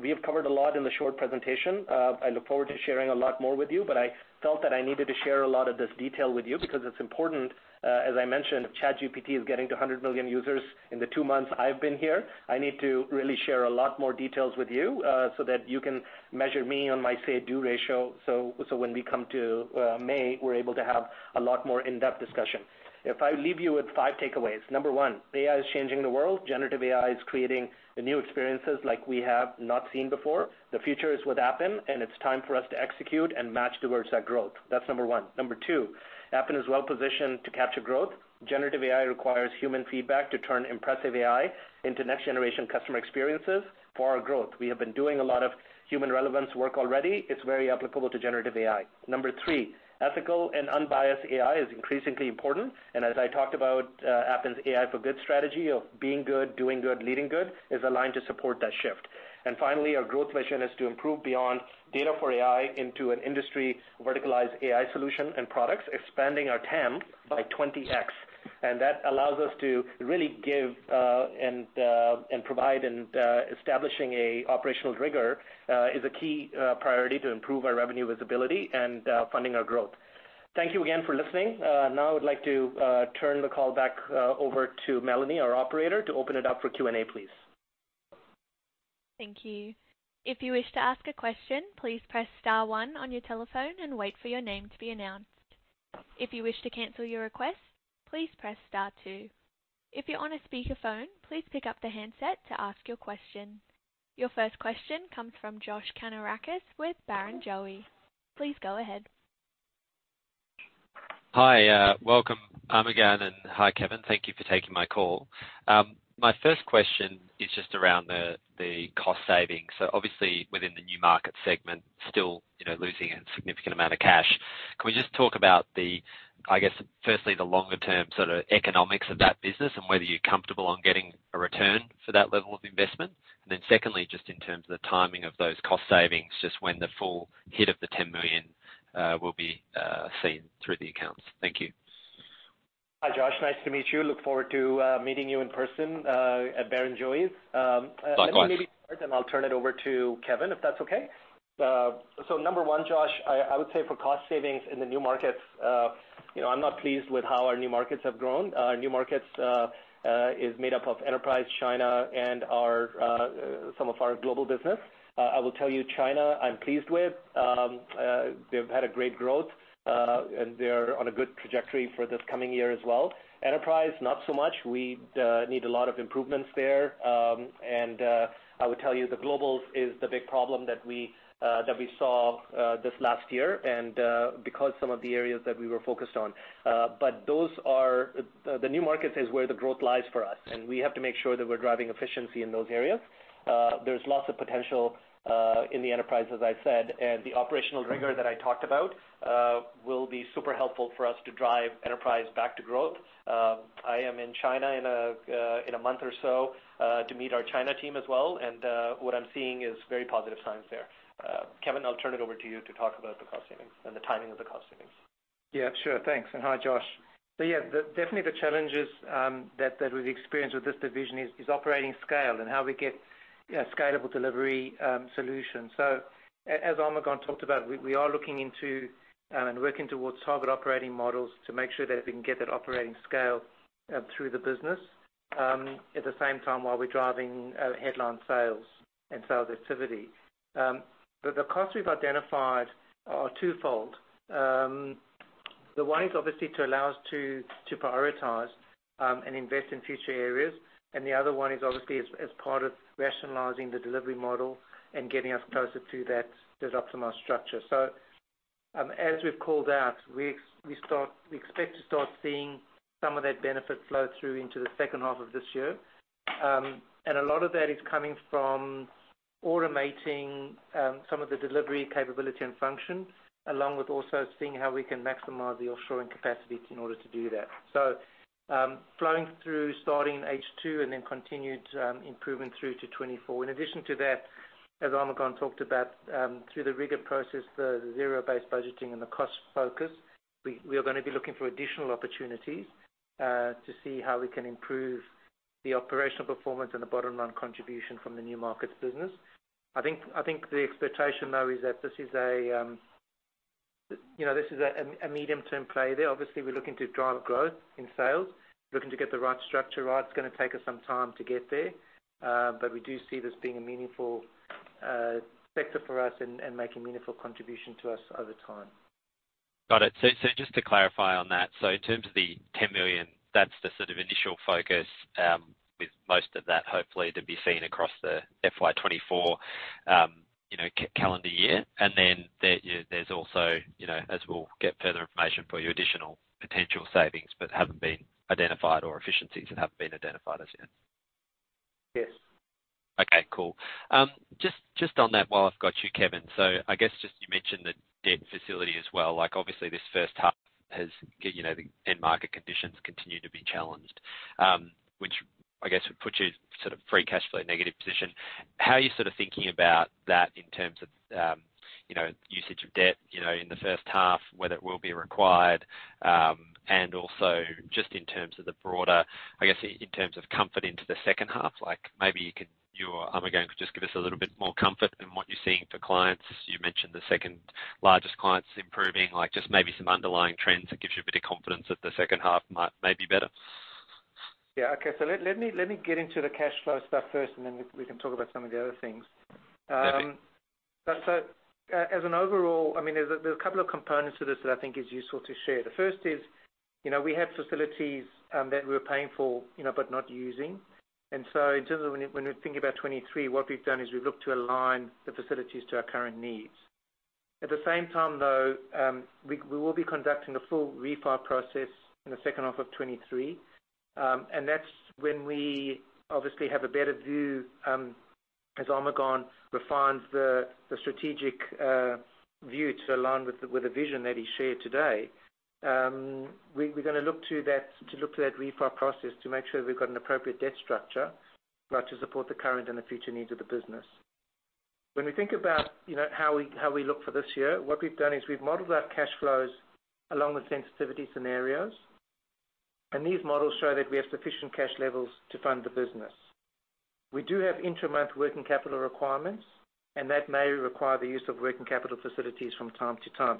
we have covered a lot in the short presentation. I look forward to sharing a lot more with you, but I felt that I needed to share a lot of this detail with you because it's important, as I mentioned, ChatGPT is getting to 100 million users in the two months I've been here. I need to really share a lot more details with you, so that you can measure me on my say-do ratio. When we come to May, we're able to have a lot more in-depth discussion. If I leave you with five takeaways. Number one, AI is changing the world. Generative AI is creating the new experiences like we have not seen before. The future is with Appen, it's time for us to execute and match towards that growth. That's number one. Number two, Appen is well-positioned to capture growth. Generative AI requires human feedback to turn impressive AI into next-generation customer experiences for our growth. We have been doing a lot of human relevance work already. It's very applicable to generative AI. Number three, ethical and unbiased AI is increasingly important. As I talked about, Appen's AI for good strategy of being good, doing good, leading good is aligned to support that shift. Finally, our growth mission is to improve beyond data for AI into an industry verticalized AI solution and products, expanding our TAM by 20x. That allows us to really give and provide establishing a operational rigor is a key priority to improve our revenue visibility and funding our growth. Thank you again for listening. Now I'd like to turn the call back over to Melanie, our operator, to open it up for Q&A, please. Thank you. If you wish to ask a question, please press star one on your telephone and wait for your name to be announced. If you wish to cancel your request, please press star two. If you're on a speakerphone, please pick up the handset to ask your question. Your first question comes from Josh Kannourakis with Barrenjoey. Please go ahead. Hi, welcome, Armughan, and hi, Kevin. Thank you for taking my call. My first question is just around the cost savings. Obviously within the New Markets segment, still, you know, losing a significant amount of cash. Can we just talk about the I guess, firstly, the longer term sort of economics of that business and whether you're comfortable on getting a return for that level of investment. Secondly, just in terms of the timing of those cost savings, just when the full hit of the $10 million will be seen through the accounts. Thank you. Hi, Josh. Nice to meet you. Look forward to meeting you in person at Barrenjoey's. Likewise. Let me start, then I'll turn it over to Kevin, if that's okay. Number one, Josh, I would say for cost savings in the New Markets, I'm not pleased with how our New Markets have grown. Our New Markets is made up of Enterprise China and some of our Global business. I will tell you China, I'm pleased with. They've had a great growth and they're on a good trajectory for this coming year as well. Enterprise, not so much. We need a lot of improvements there. I would tell you the Global is the big problem that we that we saw this last year and because some of the areas that we were focused on. Those are... The New Markets is where the growth lies for us, and we have to make sure that we're driving efficiency in those areas. There's lots of potential in the enterprise, as I said, and the operational rigor that I talked about will be super helpful for us to drive enterprise back to growth. I am in China in a month or so to meet our China team as well, and what I'm seeing is very positive signs there. Kevin, I'll turn it over to you to talk about the cost savings and the timing of the cost savings. Yeah, sure. Thanks. Hi, Josh. Yeah, definitely the challenges that we've experienced with this division is operating scale and how we get a scalable delivery solution. As Armughan talked about, we are looking into and working towards target operating models to make sure that we can get that operating scale through the business at the same time while we're driving headline sales and sales activity. The costs we've identified are twofold. One is obviously to allow us to prioritize and invest in future areas, the other one is obviously as part of rationalizing the delivery model and getting us closer to that optimized structure. As we've called out, we expect to start seeing some of that benefit flow through into the second half of this year. A lot of that is coming from automating some of the delivery capability and function, along with also seeing how we can maximize the offshoring capacity in order to do that. Flowing through starting H2 and then continued improvement through to 2024. In addition to that, as Armughan talked about, through the rigor process, the zero-based budgeting and the cost focus, we are gonna be looking for additional opportunities to see how we can improve the operational performance and the bottom line contribution from the New Markets business. The expectation, though, is that this is a, you know, this is a medium-term play there. Obviously, we're looking to drive growth in sales, looking to get the right structure right. It's gonna take us some time to get there, but we do see this being a meaningful sector for us and make a meaningful contribution to us over time. Got it. Just to clarify on that. In terms of the $10 million, that's the sort of initial focus, with most of that hopefully to be seen across the FY 2024, you know, calendar year. Then there's also, you know, as we'll get further information for your additional potential savings, but haven't been identified or efficiencies that haven't been identified as yet. Yes. Okay, cool. Just on that, while I've got you, Kevin. I guess just you mentioned the debt facility as well. Obviously this first half has, you know, the end market conditions continue to be challenged, which I guess would put you sort of free cash flow negative position. How are you sort of thinking about that in terms of, you know, usage of debt, you know, in the first half, whether it will be required? And also just in terms of the broader, I guess, in terms of comfort into the second half, maybe you could you or Armughan could just give us a little bit more comfort in what you're seeing for clients. You mentioned the second largest clients improving, just maybe some underlying trends that gives you a bit of confidence that the second half might may be better. Yeah. Okay. Let me get into the cash flow stuff first, and then we can talk about some of the other things. As an overall, I mean, there's a couple of components to this that I think is useful to share. The first is, you know, we have facilities that we're paying for, you know, but not using. In terms of when we're thinking about 2023, what we've done is we've looked to align the facilities to our current needs. At the same time though, we will be conducting a full refi process in the second half of 2023. That's when we obviously have a better view as Armughan refines the strategic view to align with the vision that he shared today. we're gonna look to that refi process to make sure we've got an appropriate debt structure, right, to support the current and the future needs of the business. When we think about, you know, how we look for this year, what we've done is we've modeled our cash flows along the sensitivity scenarios. These models show that we have sufficient cash levels to fund the business. We do have intermonth working capital requirements, and that may require the use of working capital facilities from time to time.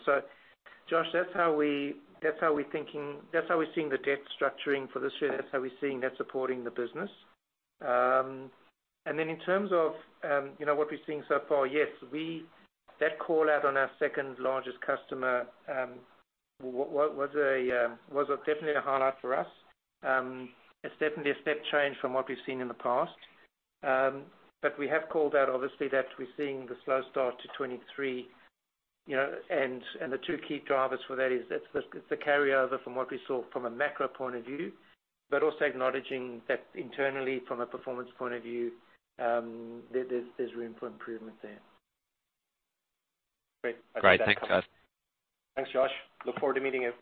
Josh, that's how we, that's how we're thinking, that's how we're seeing the debt structuring for this year. That's how we're seeing that supporting the business. Then in terms of, you know, what we've seen so far, yes, that call out on our second-largest customer was a definitely a highlight for us. It's definitely a step change from what we've seen in the past. We have called out obviously that we're seeing the slow start to 2023, you know, and the two key drivers for that is it's the, it's the carryover from what we saw from a macro point of view, but also acknowledging that internally from a performance point of view, there's room for improvement there. Great. Great. Thanks, guys. Thanks, Josh. Look forward to meeting you.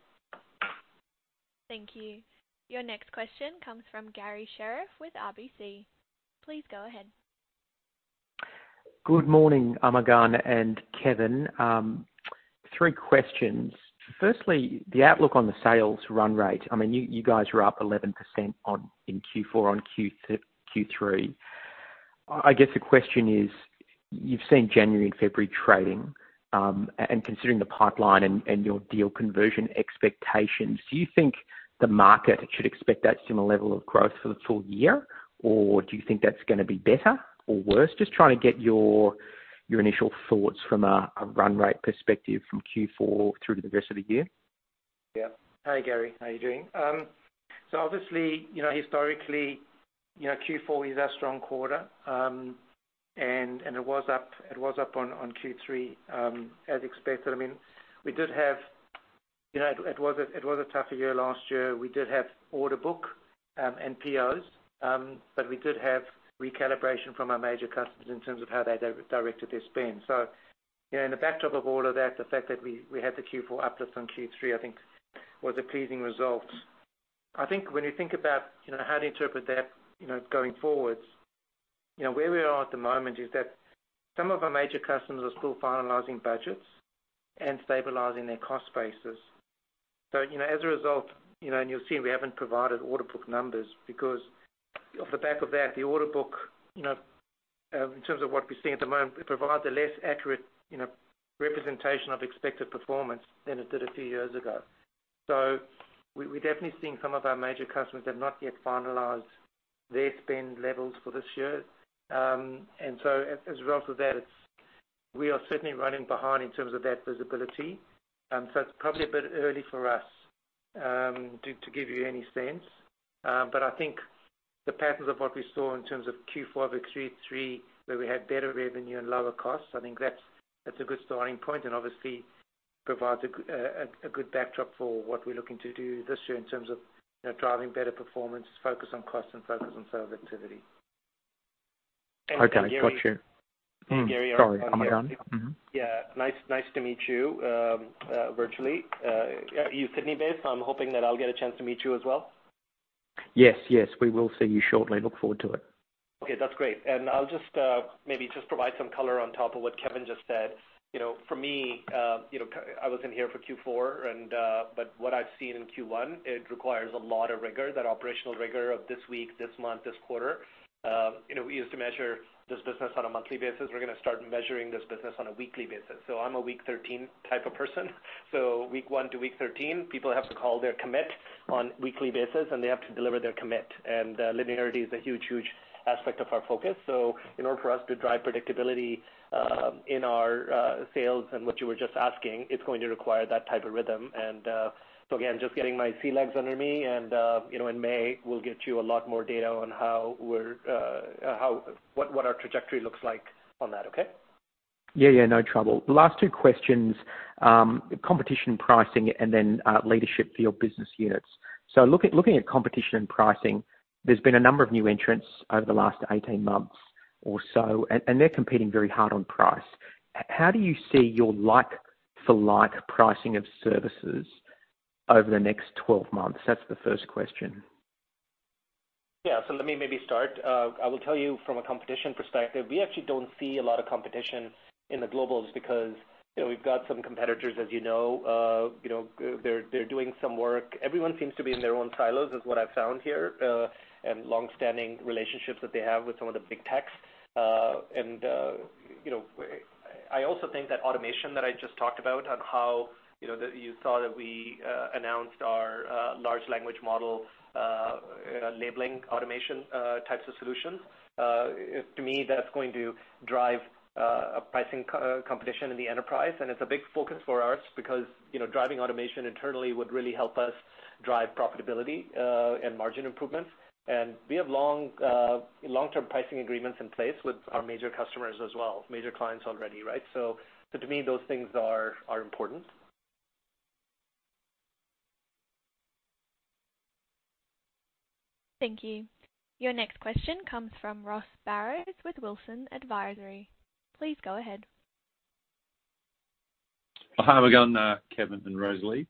Thank you. Your next question comes from Garry Sherriff with RBC. Please go ahead. Good morning, Armughan and Kevin. Three questions. Firstly, the outlook on the sales run rate. I mean, you guys were up 11% on, in Q4 on Q3. I guess the question is, you've seen January and February trading, and considering the pipeline and your deal conversion expectations, do you think the market should expect that similar level of growth for the full year, or do you think that's gonna be better or worse? Just trying to get your initial thoughts from a run rate perspective from Q4 through to the rest of the year? Hi, Garry. How you doing? Obviously, you know, historically, you know, Q4 is our strong quarter. And it was up on Q3, as expected. I mean, we did have. You know, it was a tougher year last year. We did have order book, and POs, we did have recalibration from our major customers in terms of how they directed their spend. In the backdrop of all of that, the fact that we had the Q4 uplift on Q3 I think was a pleasing result. I think when you think about, you know, how to interpret that, you know, going forward, you know, where we are at the moment is that some of our major customers are still finalizing budgets and stabilizing their cost bases. You know, as a result, you know, and you'll see we haven't provided order book numbers because off the back of that, the order book, you know, in terms of what we're seeing at the moment, it provides a less accurate, you know, representation of expected performance than it did a few years ago. We, we're definitely seeing some of our major customers have not yet finalized their spend levels for this year. As, as a result of that, we are certainly running behind in terms of that visibility. It's probably a bit early for us to give you any sense. I think the patterns of what we saw in terms of Q4 over Q3, where we had better revenue and lower costs, I think that's a good starting point and obviously provides a good backdrop for what we're looking to do this year in terms of, you know, driving better performance, focus on cost and focus on sales activity. Okay. Got you. Garry. Sorry, Armughan. Garry, Armughan. Mm-hmm. Yeah. Nice to meet you, virtually. Are you Sydney-based? I'm hoping that I'll get a chance to meet you as well. Yes. Yes. We will see you shortly. Look forward to it. Okay, that's great. I'll just maybe just provide some color on top of what Kevin just said. You know, for me, you know, I wasn't here for Q4 and, but what I've seen in Q1, it requires a lot of rigor, that operational rigor of this week, this month, this quarter. You know, we used to measure this business on a monthly basis. We're gonna start measuring this business on a weekly basis. I'm a week 13 type of person. Week one to week 13, people have to call their commit on weekly basis, and they have to deliver their commit. Linearity is a huge aspect of our focus. In order for us to drive predictability, in our sales and what you were just asking, it's going to require that type of rhythm. Again, just getting my sea legs under me and, you know, in May, we'll get you a lot more data on how we're, how, what our trajectory looks like on that. Okay? Yeah. Yeah, no trouble. The last two questions, competition pricing and then leadership for your business units. Looking at competition and pricing, there's been a number of new entrants over the last 18 months or so, and they're competing very hard on price. How do you see your like for like pricing of services over the next 12 months? That's the first question. Yeah. Let me maybe start. I will tell you from a competition perspective, we actually don't see a lot of competition in the Globals because, you know, we've got some competitors, as you know, they're doing some work. Everyone seems to be in their own silos is what I've found here, and long-standing relationships that they have with some of the big techs. You know, I also think that automation that I just talked about on how, you know, you saw that we announced our large language model labeling automation types of solutions. To me, that's going to drive a pricing co-competition in the enterprise, and it's a big focus for us because, you know, driving automation internally would really help us drive profitability and margin improvements. We have long-term pricing agreements in place with our major customers as well, major clients already, right? To me, those things are important. Thank you. Your next question comes from Ross Barrows with Wilsons Advisory. Please go ahead. Hi, how are we going, Kevin and Rosalie?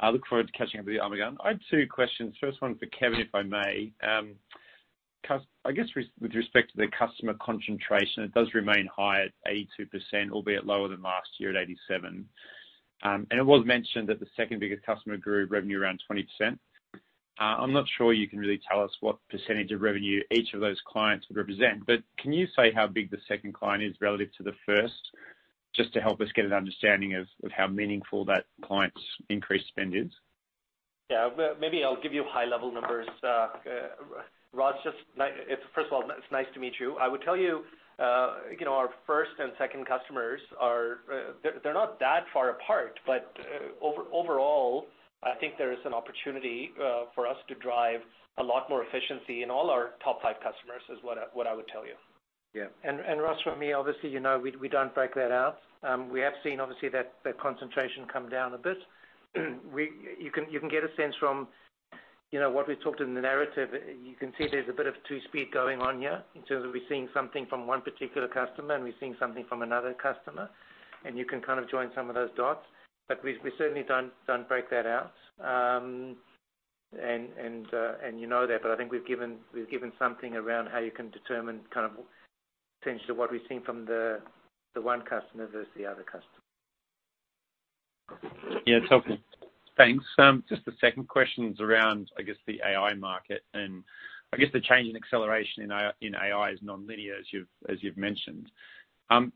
I look forward to catching up with you all again. I have two questions. First one for Kevin, if I may. I guess with respect to the customer concentration, it does remain high at 82%, albeit lower than last year at 87%. It was mentioned that the second-biggest customer grew revenue around 20%. I'm not sure you can really tell us what percentage of revenue each of those clients would represent, but can you say how big the second client is relative to the first, just to help us get an understanding of how meaningful that client's increased spend is? Yeah. Well, maybe I'll give you high-level numbers. Ross, just First of all, it's nice to meet you. I would tell you know, our first and second customers are, they're not that far apart, but overall, I think there is an opportunity for us to drive a lot more efficiency in all our top five customers, is what I would tell you. Yeah. Ross, from me, obviously, you know, we don't break that out. We have seen obviously that concentration come down a bit. You can get a sense from, you know, what we talked in the narrative. You can see there's a bit of two speed going on here in terms of we're seeing something from one particular customer, and we're seeing something from another customer, and you can kind of join some of those dots. We certainly don't break that out. You know that, but I think we've given something around how you can determine kind of potentially what we've seen from the one customer versus the other customer. Yeah. Totally. Thanks. Just the second question is around, I guess, the AI market, and I guess the change in acceleration in AI is non-linear, as you've mentioned.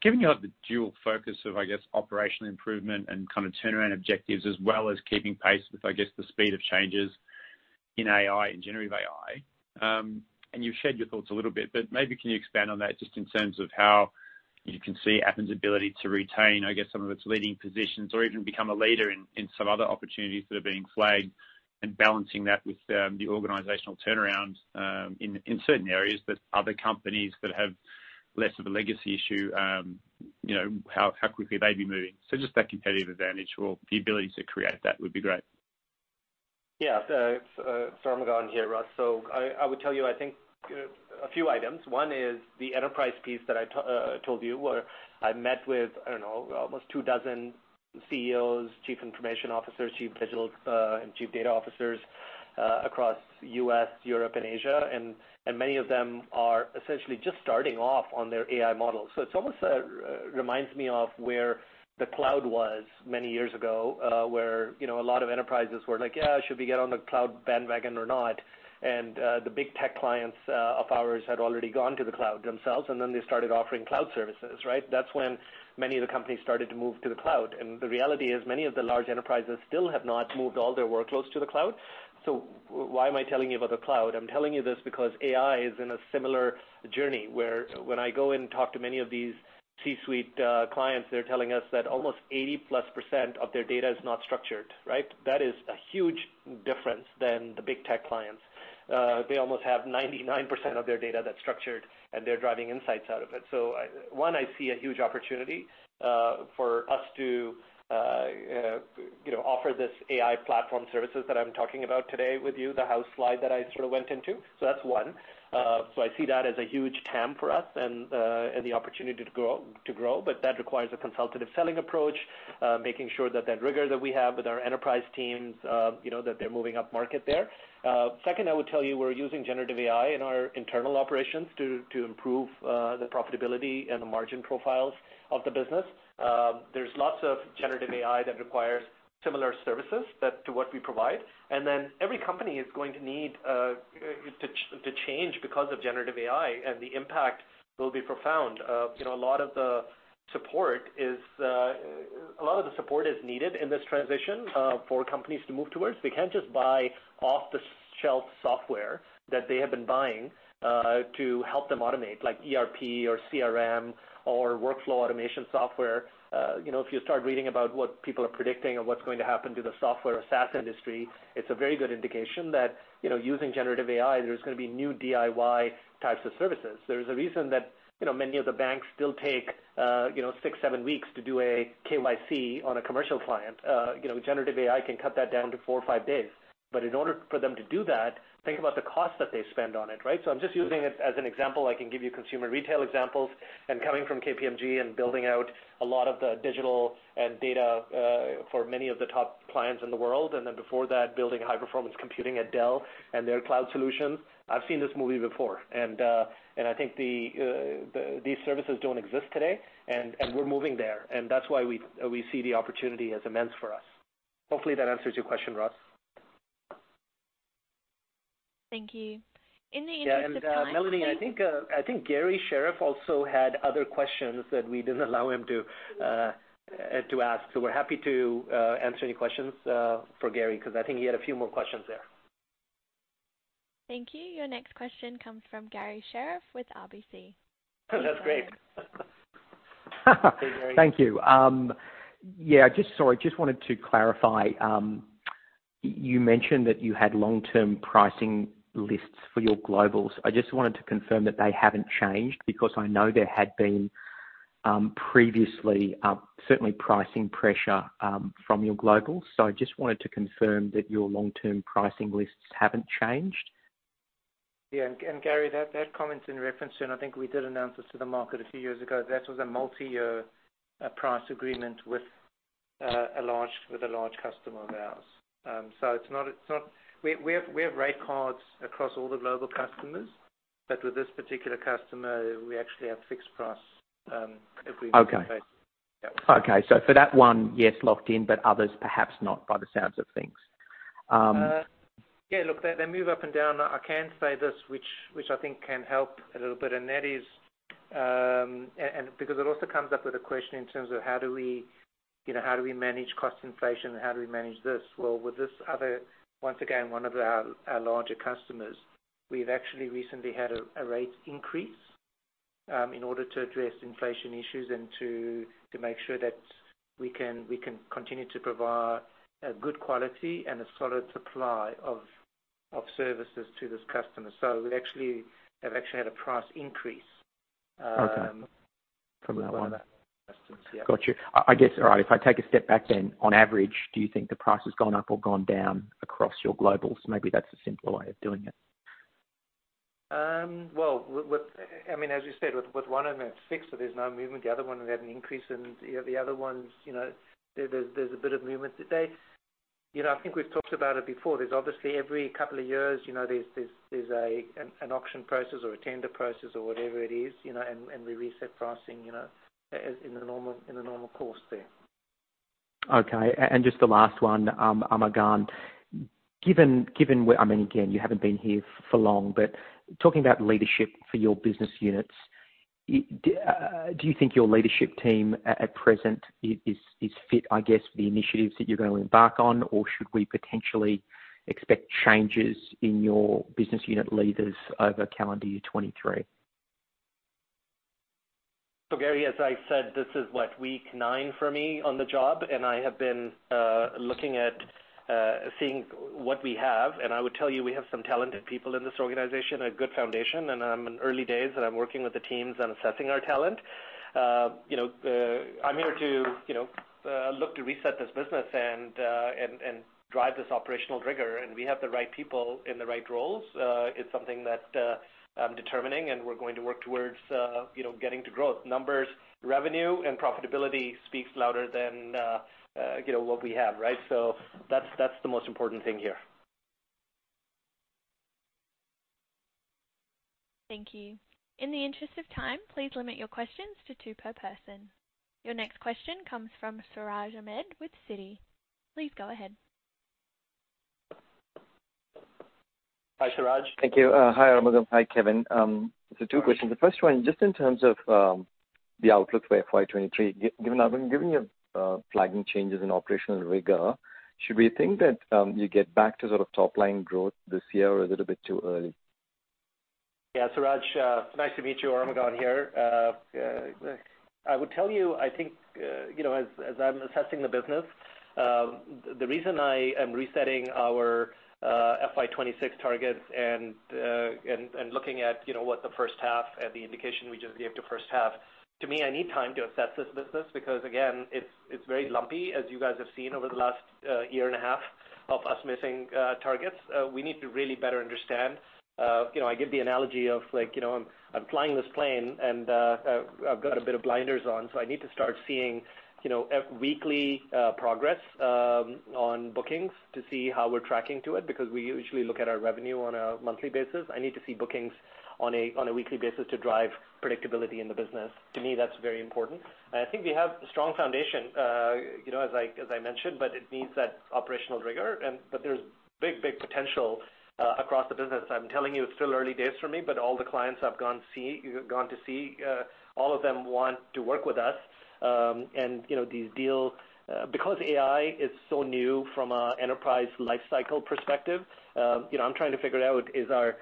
Given you have the dual focus of, I guess, operational improvement and kind of turnaround objectives, as well as keeping pace with, I guess, the speed of changes in AI and generative AI, you've shared your thoughts a little bit, but maybe can you expand on that just in terms of how you can see Appen's ability to retain, I guess, some of its leading positions or even become a leader in some other opportunities that are being flagged and balancing that with the organizational turnaround in certain areas that other companies that have less of a legacy issue, you know, how quickly they'd be moving. Just that competitive advantage or the ability to create that would be great. Yeah. It's Armughan Ahmad here, Ross. I would tell you, I think a few items. One is the enterprise piece that I told you, where I met with, I don't know, almost two dozen CEOs, Chief Information Officers, Chief Digital, and Chief Data Officers across U.S., Europe and Asia. Many of them are essentially just starting off on their AI models. It's almost reminds me of where the cloud was many years ago, where, you know, a lot of enterprises were like, "Yeah, should we get on the cloud bandwagon or not?" The big tech clients of ours had already gone to the cloud themselves, and then they started offering cloud services, right? That's when many of the companies started to move to the cloud. The reality is, many of the large enterprises still have not moved all their workloads to the cloud. Why am I telling you about the cloud? I'm telling you this because AI is in a similar journey, where when I go and talk to many of these C-suite clients, they're telling us that almost 80%+ of their data is not structured, right? That is a huge difference than the big tech clients. They almost have 99% of their data that's structured and they're driving insights out of it. One, I see a huge opportunity for us to, you know, offer this AI platform services that I'm talking about today with you, the house slide that I sort of went into. That's one. I see that as a huge TAM for us and the opportunity to grow. That requires a consultative selling approach, making sure that that rigor that we have with our enterprise teams, you know, that they're moving up market there. Second, I would tell you we're using generative AI in our internal operations to improve the profitability and the margin profiles of the business. There's lots of generative AI that requires similar services to what we provide. Every company is going to need to change because of generative AI, and the impact will be profound. You know, a lot of the support is needed in this transition for companies to move towards. They can't just buy off-the-shelf software that they have been buying, to help them automate, like ERP or CRM or workflow automation software. You know, if you start reading about what people are predicting of what's going to happen to the software or SaaS industry, it's a very good indication that, you know, using generative AI, there's gonna be new DIY types of services. There's a reason that, you know, many of the banks still take, you know, six, seven weeks to do a KYC on a commercial client. You know, generative AI can cut that down to four or five days. In order for them to do that, think about the cost that they spend on it, right? I'm just using it as an example. I can give you consumer retail examples. Coming from KPMG and building out a lot of the digital and data for many of the top clients in the world, and then before that, building high-performance computing at Dell and their cloud solutions, I've seen this movie before. I think these services don't exist today, and we're moving there, and that's why we see the opportunity as immense for us. Hopefully, that answers your question, Ross. Thank you. In the interest of time. Melanie, I think, I think Garry Sherriff also had other questions that we didn't allow him to ask. We're happy to answer any questions for Garry, 'cause I think he had a few more questions there. Thank you. Your next question comes from Garry Sherriff with RBC. That's great. Hey, Garry. Thank you. Yeah, just sorry. Just wanted to clarify. You mentioned that you had long-term pricing lists for your Globals. I just wanted to confirm that they haven't changed, because I know there had been. Previously, certainly pricing pressure, from your Global. I just wanted to confirm that your long-term pricing lists haven't changed. Garry, that comment in reference to, and I think we did announce this to the market a few years ago, that was a multi-year price agreement with a large customer of ours. We have rate cards across all the global customers, but with this particular customer, we actually have fixed price agreement in place. Okay. Yeah. Okay. For that one, yes, locked in, but others perhaps not, by the sounds of things. Yeah, look, they move up and down. I can say this, which I think can help a little bit, and that is because it also comes up with a question in terms of how do we, you know, manage cost inflation and how do we manage this? Well, with this other, once again, one of our larger customers, we've actually recently had a rate increase in order to address inflation issues and to make sure that we can continue to provide a good quality and a solid supply of services to this customer. We actually have had a price increase. Okay. From that one from that customer, yeah. Got you. I guess, all right, if I take a step back then, on average, do you think the price has gone up or gone down across your globals? Maybe that's a simpler way of doing it. Well, I mean, as we said, with one of them fixed, so there's no movement. The other one we had an increase and, you know, the other ones, you know, there's a bit of movement today. You know, I think we've talked about it before. There's obviously every couple of years, you know, there's an auction process or a tender process or whatever it is, you know, and we reset pricing, you know, as in the normal course there. Okay. Just the last one, Armughan. Given where I mean, again, you haven't been here for long, but talking about leadership for your business units, do you think your leadership team at present is fit, I guess, for the initiatives that you're gonna embark on? Or should we potentially expect changes in your business unit leaders over calendar year 2023? Garry, as I said, this is what, week nine for me on the job, and I have been looking at seeing what we have. I would tell you, we have some talented people in this organization, a good foundation, and I'm in early days, and I'm working with the teams and assessing our talent. You know, I'm here to, you know, look to reset this business and drive this operational rigor, and we have the right people in the right roles. It's something that I'm determining, and we're going to work towards, you know, getting to growth. Numbers, revenue, and profitability speaks louder than, you know, what we have, right? That's the most important thing here. Thank you. In the interest of time, please limit your questions to two per person. Your next question comes from Siraj Ahmed with Citi. Please go ahead. Hi, Siraj. Thank you. Hi, Armughan. Hi, Kevin. Two questions. The first one, just in terms of the outlook for FY 2023, given your flagging changes in operational rigor, should we think that you get back to sort of top-line growth this year or a little bit too early? Yeah, Siraj, nice to meet you. Armughan here. I would tell you, I think, you know, as I'm assessing the business, the reason I am resetting our FY 2026 targets and looking at, you know, what the first half and the indication we just gave to first half, to me, I need time to assess this business because again, it's very lumpy, as you guys have seen over the last year and a half of us missing targets. We need to really better understand. You know, I give the analogy of like, you know, I'm flying this plane, and I've got a bit of blinders on, so I need to start seeing, you know, a weekly progress on bookings to see how we're tracking to it, because we usually look at our revenue on a monthly basis. I need to see bookings on a weekly basis to drive predictability in the business. To me, that's very important. I think we have a strong foundation, you know, as I, as I mentioned, but it needs that operational rigor. There's big, big potential across the business. I'm telling you, it's still early days for me, but all the clients I've gone to see, all of them want to work with us. You know, these deals... Because AI is so new from an enterprise lifecycle perspective, you know, I'm trying to figure out is our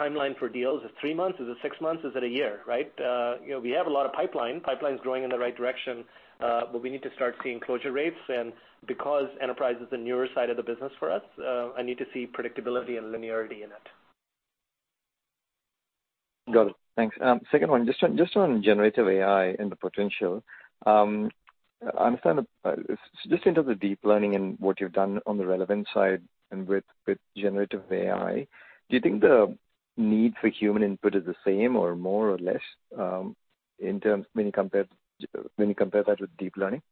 timeline for deals, is it three months, is it six months, is it one year, right? You know, we have a lot of pipeline. Pipeline's growing in the right direction, but we need to start seeing closure rates. Because enterprise is the newer side of the business for us, I need to see predictability and linearity in it. Got it. Thanks. Second one. Just on generative AI and the potential, I understand, just in terms of deep learning and what you've done on the relevant side and with generative AI, do you think the need for human input is the same or more or less, when you compare that with deep learning?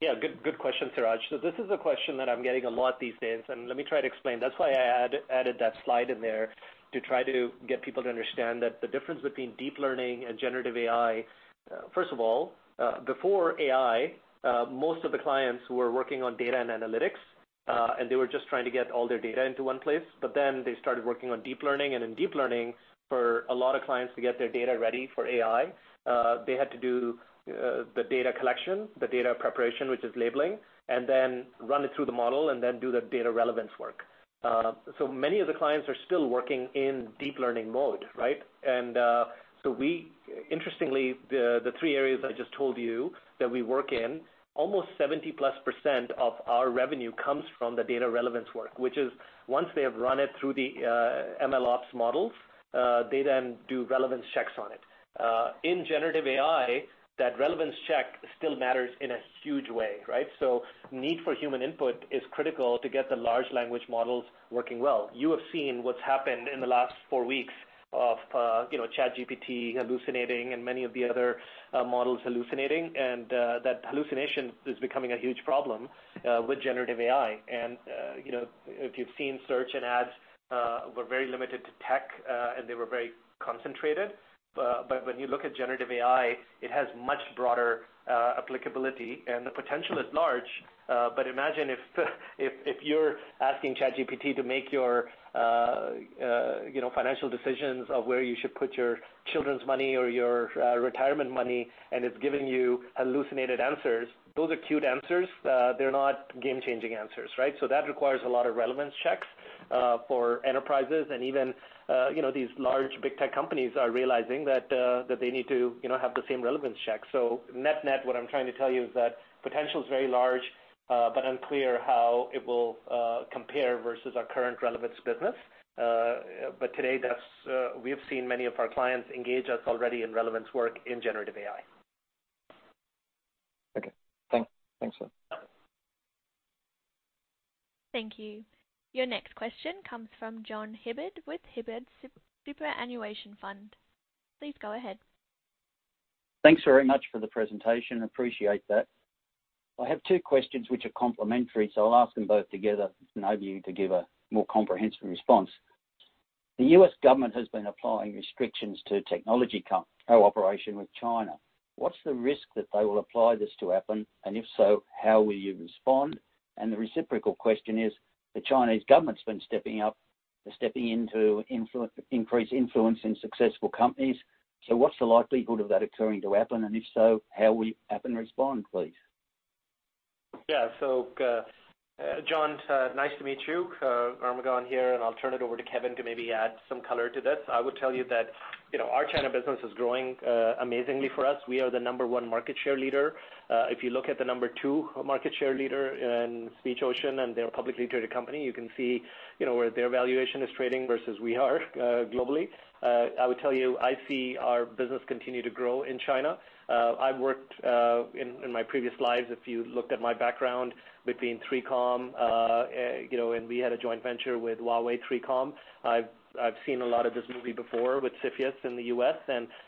Yeah, good question, Siraj. This is a question that I'm getting a lot these days, and let me try to explain. That's why I added that slide in there, to try to get people to understand that the difference between deep learning and generative AI. First of all, before AI, most of the clients were working on data and analytics, and they were just trying to get all their data into one place. They started working on deep learning. A lot of clients to get their data ready for AI, they had to do the data collection, the data preparation, which is labeling, and then run it through the model and then do the data relevance work. Many of the clients are still working in deep learning mode, right? We... Interestingly, the three areas I just told you that we work in, almost 70+% of our revenue comes from the data relevance work, which is once they have run it through the MLOps models, they then do relevance checks on it. In generative AI, that relevance check still matters in a huge way, right? Need for human input is critical to get the large language models working well. You have seen what's happened in the last four weeks of, you know, ChatGPT hallucinating and many of the other models hallucinating, and that hallucination is becoming a huge problem with generative AI. You know, if you've seen search and ads were very limited to tech and they were very concentrated. When you look at generative AI, it has much broader applicability and the potential is large. Imagine if you're asking ChatGPT to make your, you know, financial decisions of where you should put your children's money or your retirement money, and it's giving you hallucinated answers, those are cute answers, they're not game-changing answers, right? That requires a lot of relevance checks for enterprises and even, you know, these large big tech companies are realizing that they need to, you know, have the same relevance checks. Net-net, what I'm trying to tell you is that potential is very large, but unclear how it will compare versus our current relevance business. Today that's, we have seen many of our clients engage us already in relevance work in generative AI. Okay. Thanks, sir. Thank you. Your next question comes from John Hibbard with Hibbard Superannuation Fund. Please go ahead. Thanks very much for the presentation. Appreciate that. I have two questions which are complementary, I'll ask them both together and over you to give a more comprehensive response. The U.S. government has been applying restrictions to technology cooperation with China. What's the risk that they will apply this to Appen? If so, how will you respond? The reciprocal question is, the Chinese government's been stepping up, stepping in to increase influence in successful companies. What's the likelihood of that occurring to Appen? If so, how will Appen respond, please? Yeah. John, nice to meet you. Armughan here, and I'll turn it over to Kevin to maybe add some color to this. I would tell you that, you know, our China business is growing amazingly for us. We are the number 1 market share leader. If you look at the number two market share leader in SpeechOcean, and they're a publicly traded company, you can see, you know, where their valuation is trading versus we are globally. I would tell you, I see our business continue to grow in China. I've worked in my previous lives, if you looked at my background between 3Com, you know, and we had a joint venture with Huawei-3Com. I've seen a lot of this movie before with CFIUS in the U.S.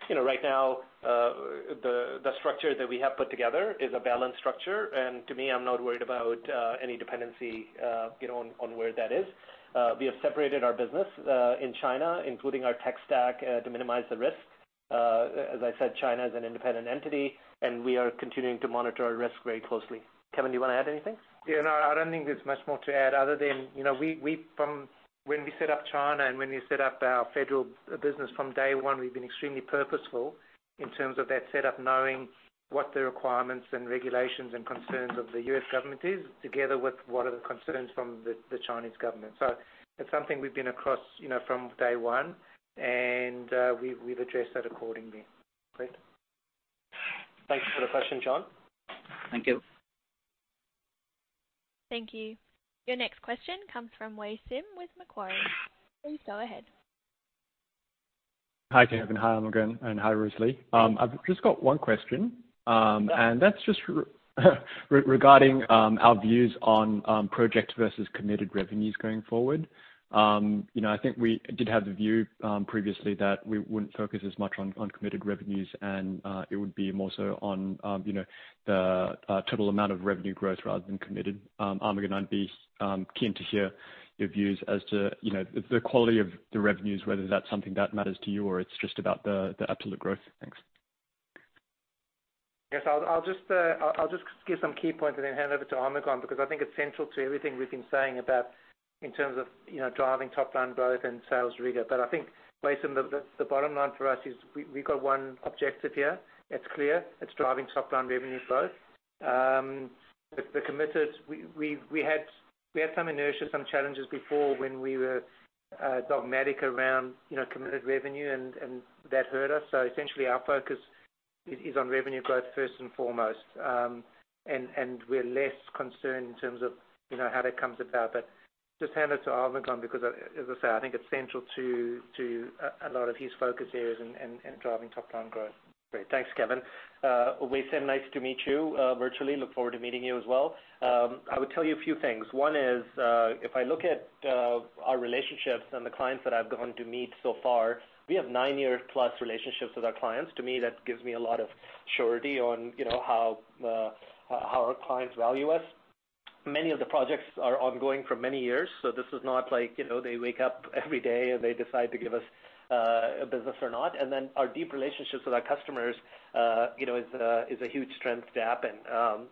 You know, right now, the structure that we have put together is a balanced structure. To me, I'm not worried about any dependency, you know, on where that is. We have separated our business in China, including our tech stack, to minimize the risk. As I said, China is an independent entity, and we are continuing to monitor our risk very closely. Kevin, do you wanna add anything? Yeah. No, I don't think there's much more to add other than, you know, we. From when we set up China and when we set up our federal business from day one, we've been extremely purposeful in terms of that set up, knowing what the requirements and regulations and concerns of the U.S. government is, together with what are the concerns from the Chinese government. It's something we've been across, you know, from day one, and we've addressed that accordingly. Great. Thanks for the question, John. Thank you. Thank you. Your next question comes from Wei-Weng Chen with Macquarie. Please go ahead. Hi, Kevin. Hi, Armughan, and hi, Rosalie. I've just got one question, and that's just regarding our views on project versus committed revenues going forward. you know, I think we did have the view previously that we wouldn't focus as much on committed revenues and it would be more so on, you know, the total amount of revenue growth rather than committed. Armughan, I'd be keen to hear your views as to, you know, the quality of the revenues, whether that's something that matters to you or it's just about the absolute growth. Thanks. Yes, I'll just give some key points and then hand over to Armughan because I think it's central to everything we've been saying about in terms of, you know, driving top-line growth and sales rigor. I think, Wei-Weng Chen, the bottom line for us is we got one objective here. It's clear it's driving top-line revenue growth. The committed we had some inertia, some challenges before when we were dogmatic around, you know, committed revenue, and that hurt us. Essentially, our focus is on revenue growth first and foremost. And we're less concerned in terms of, you know, how that comes about. Just hand it to Armughan because, as I say, I think it's central to a lot of his focus areas and driving top line growth. Great. Thanks, Kevin. Wei-Weng Chen, nice to meet you, virtually. Look forward to meeting you as well. I would tell you a few things. One is, if I look at our relationships and the clients that I've gotten to meet so far, we have nine-year plus relationships with our clients. To me, that gives me a lot of surety on, you know, how our clients value us. Many of the projects are ongoing for many years, so this is not like, you know, they wake up every day and they decide to give us business or not. Our deep relationships with our customers, you know, is a huge strength to Appen.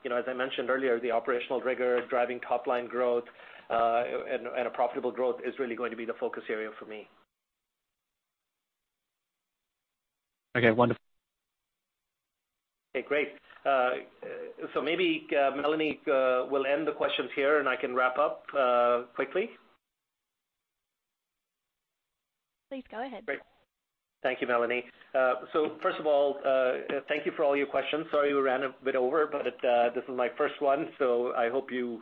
You know, as I mentioned earlier, the operational rigor driving top line growth, and a profitable growth is really going to be the focus area for me. Okay, wonderful. Okay, great. Maybe Melanie, we'll end the questions here and I can wrap up quickly. Please go ahead. Great. Thank you, Melanie. First of all, thank you for all your questions. Sorry we ran a bit over, this is my first one, I hope you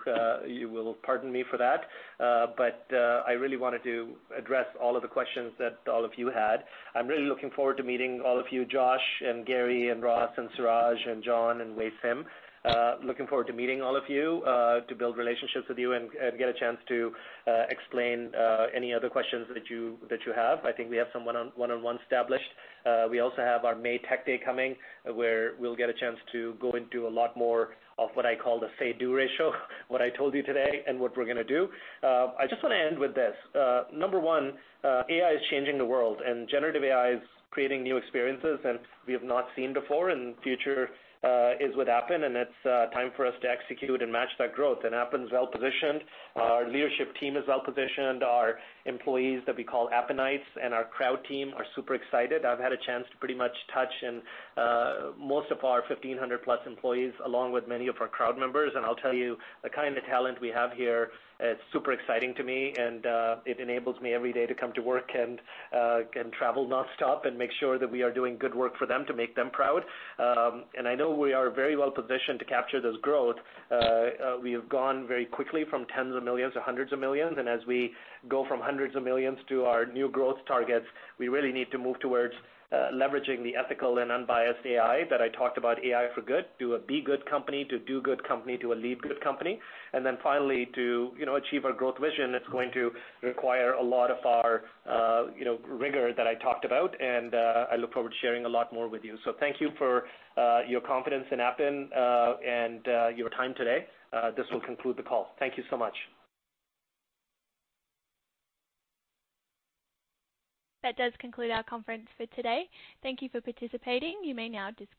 will pardon me for that. I really wanted to address all of the questions that all of you had. I'm really looking forward to meeting all of you, Josh and Garry and Ross and Siraj and John and Wei-Weng Chen. Looking forward to meeting all of you, to build relationships with you and get a chance to explain any other questions that you have. I think we have some one-on-one established. We also have our May tech day coming, where we'll get a chance to go into a lot more of what I call the say/do ratio, what I told you today and what we're gonna do. I just wanna end with this. Number one, AI is changing the world. Generative AI is creating new experiences and we have not seen before. Future is with Appen, and it's time for us to execute and match that growth. Appen's well-positioned. Our leadership team is well-positioned. Our employees that we call Appenites and our crowd team are super excited. I've had a chance to pretty much touch and most of our 1,500+ employees along with many of our crowd members. I'll tell you, the kind of talent we have here is super exciting to me and, it enables me every day to come to work and travel nonstop and make sure that we are doing good work for them to make them proud. I know we are very well-positioned to capture this growth. We have gone very quickly from tens of millions to hundreds of millions. As we go from hundreds of millions to our new growth targets, we really need to move towards leveraging the ethical and unbiased AI that I talked about AI for good, to a be good company, to do good company, to a lead good company. Finally to, you know, achieve our growth vision, it's going to require a lot of our, you know, rigor that I talked about, and I look forward to sharing a lot more with you. Thank you for your confidence in Appen, and your time today. This will conclude the call. Thank you so much. That does conclude our conference for today. Thank you for participating. You may now disconnect.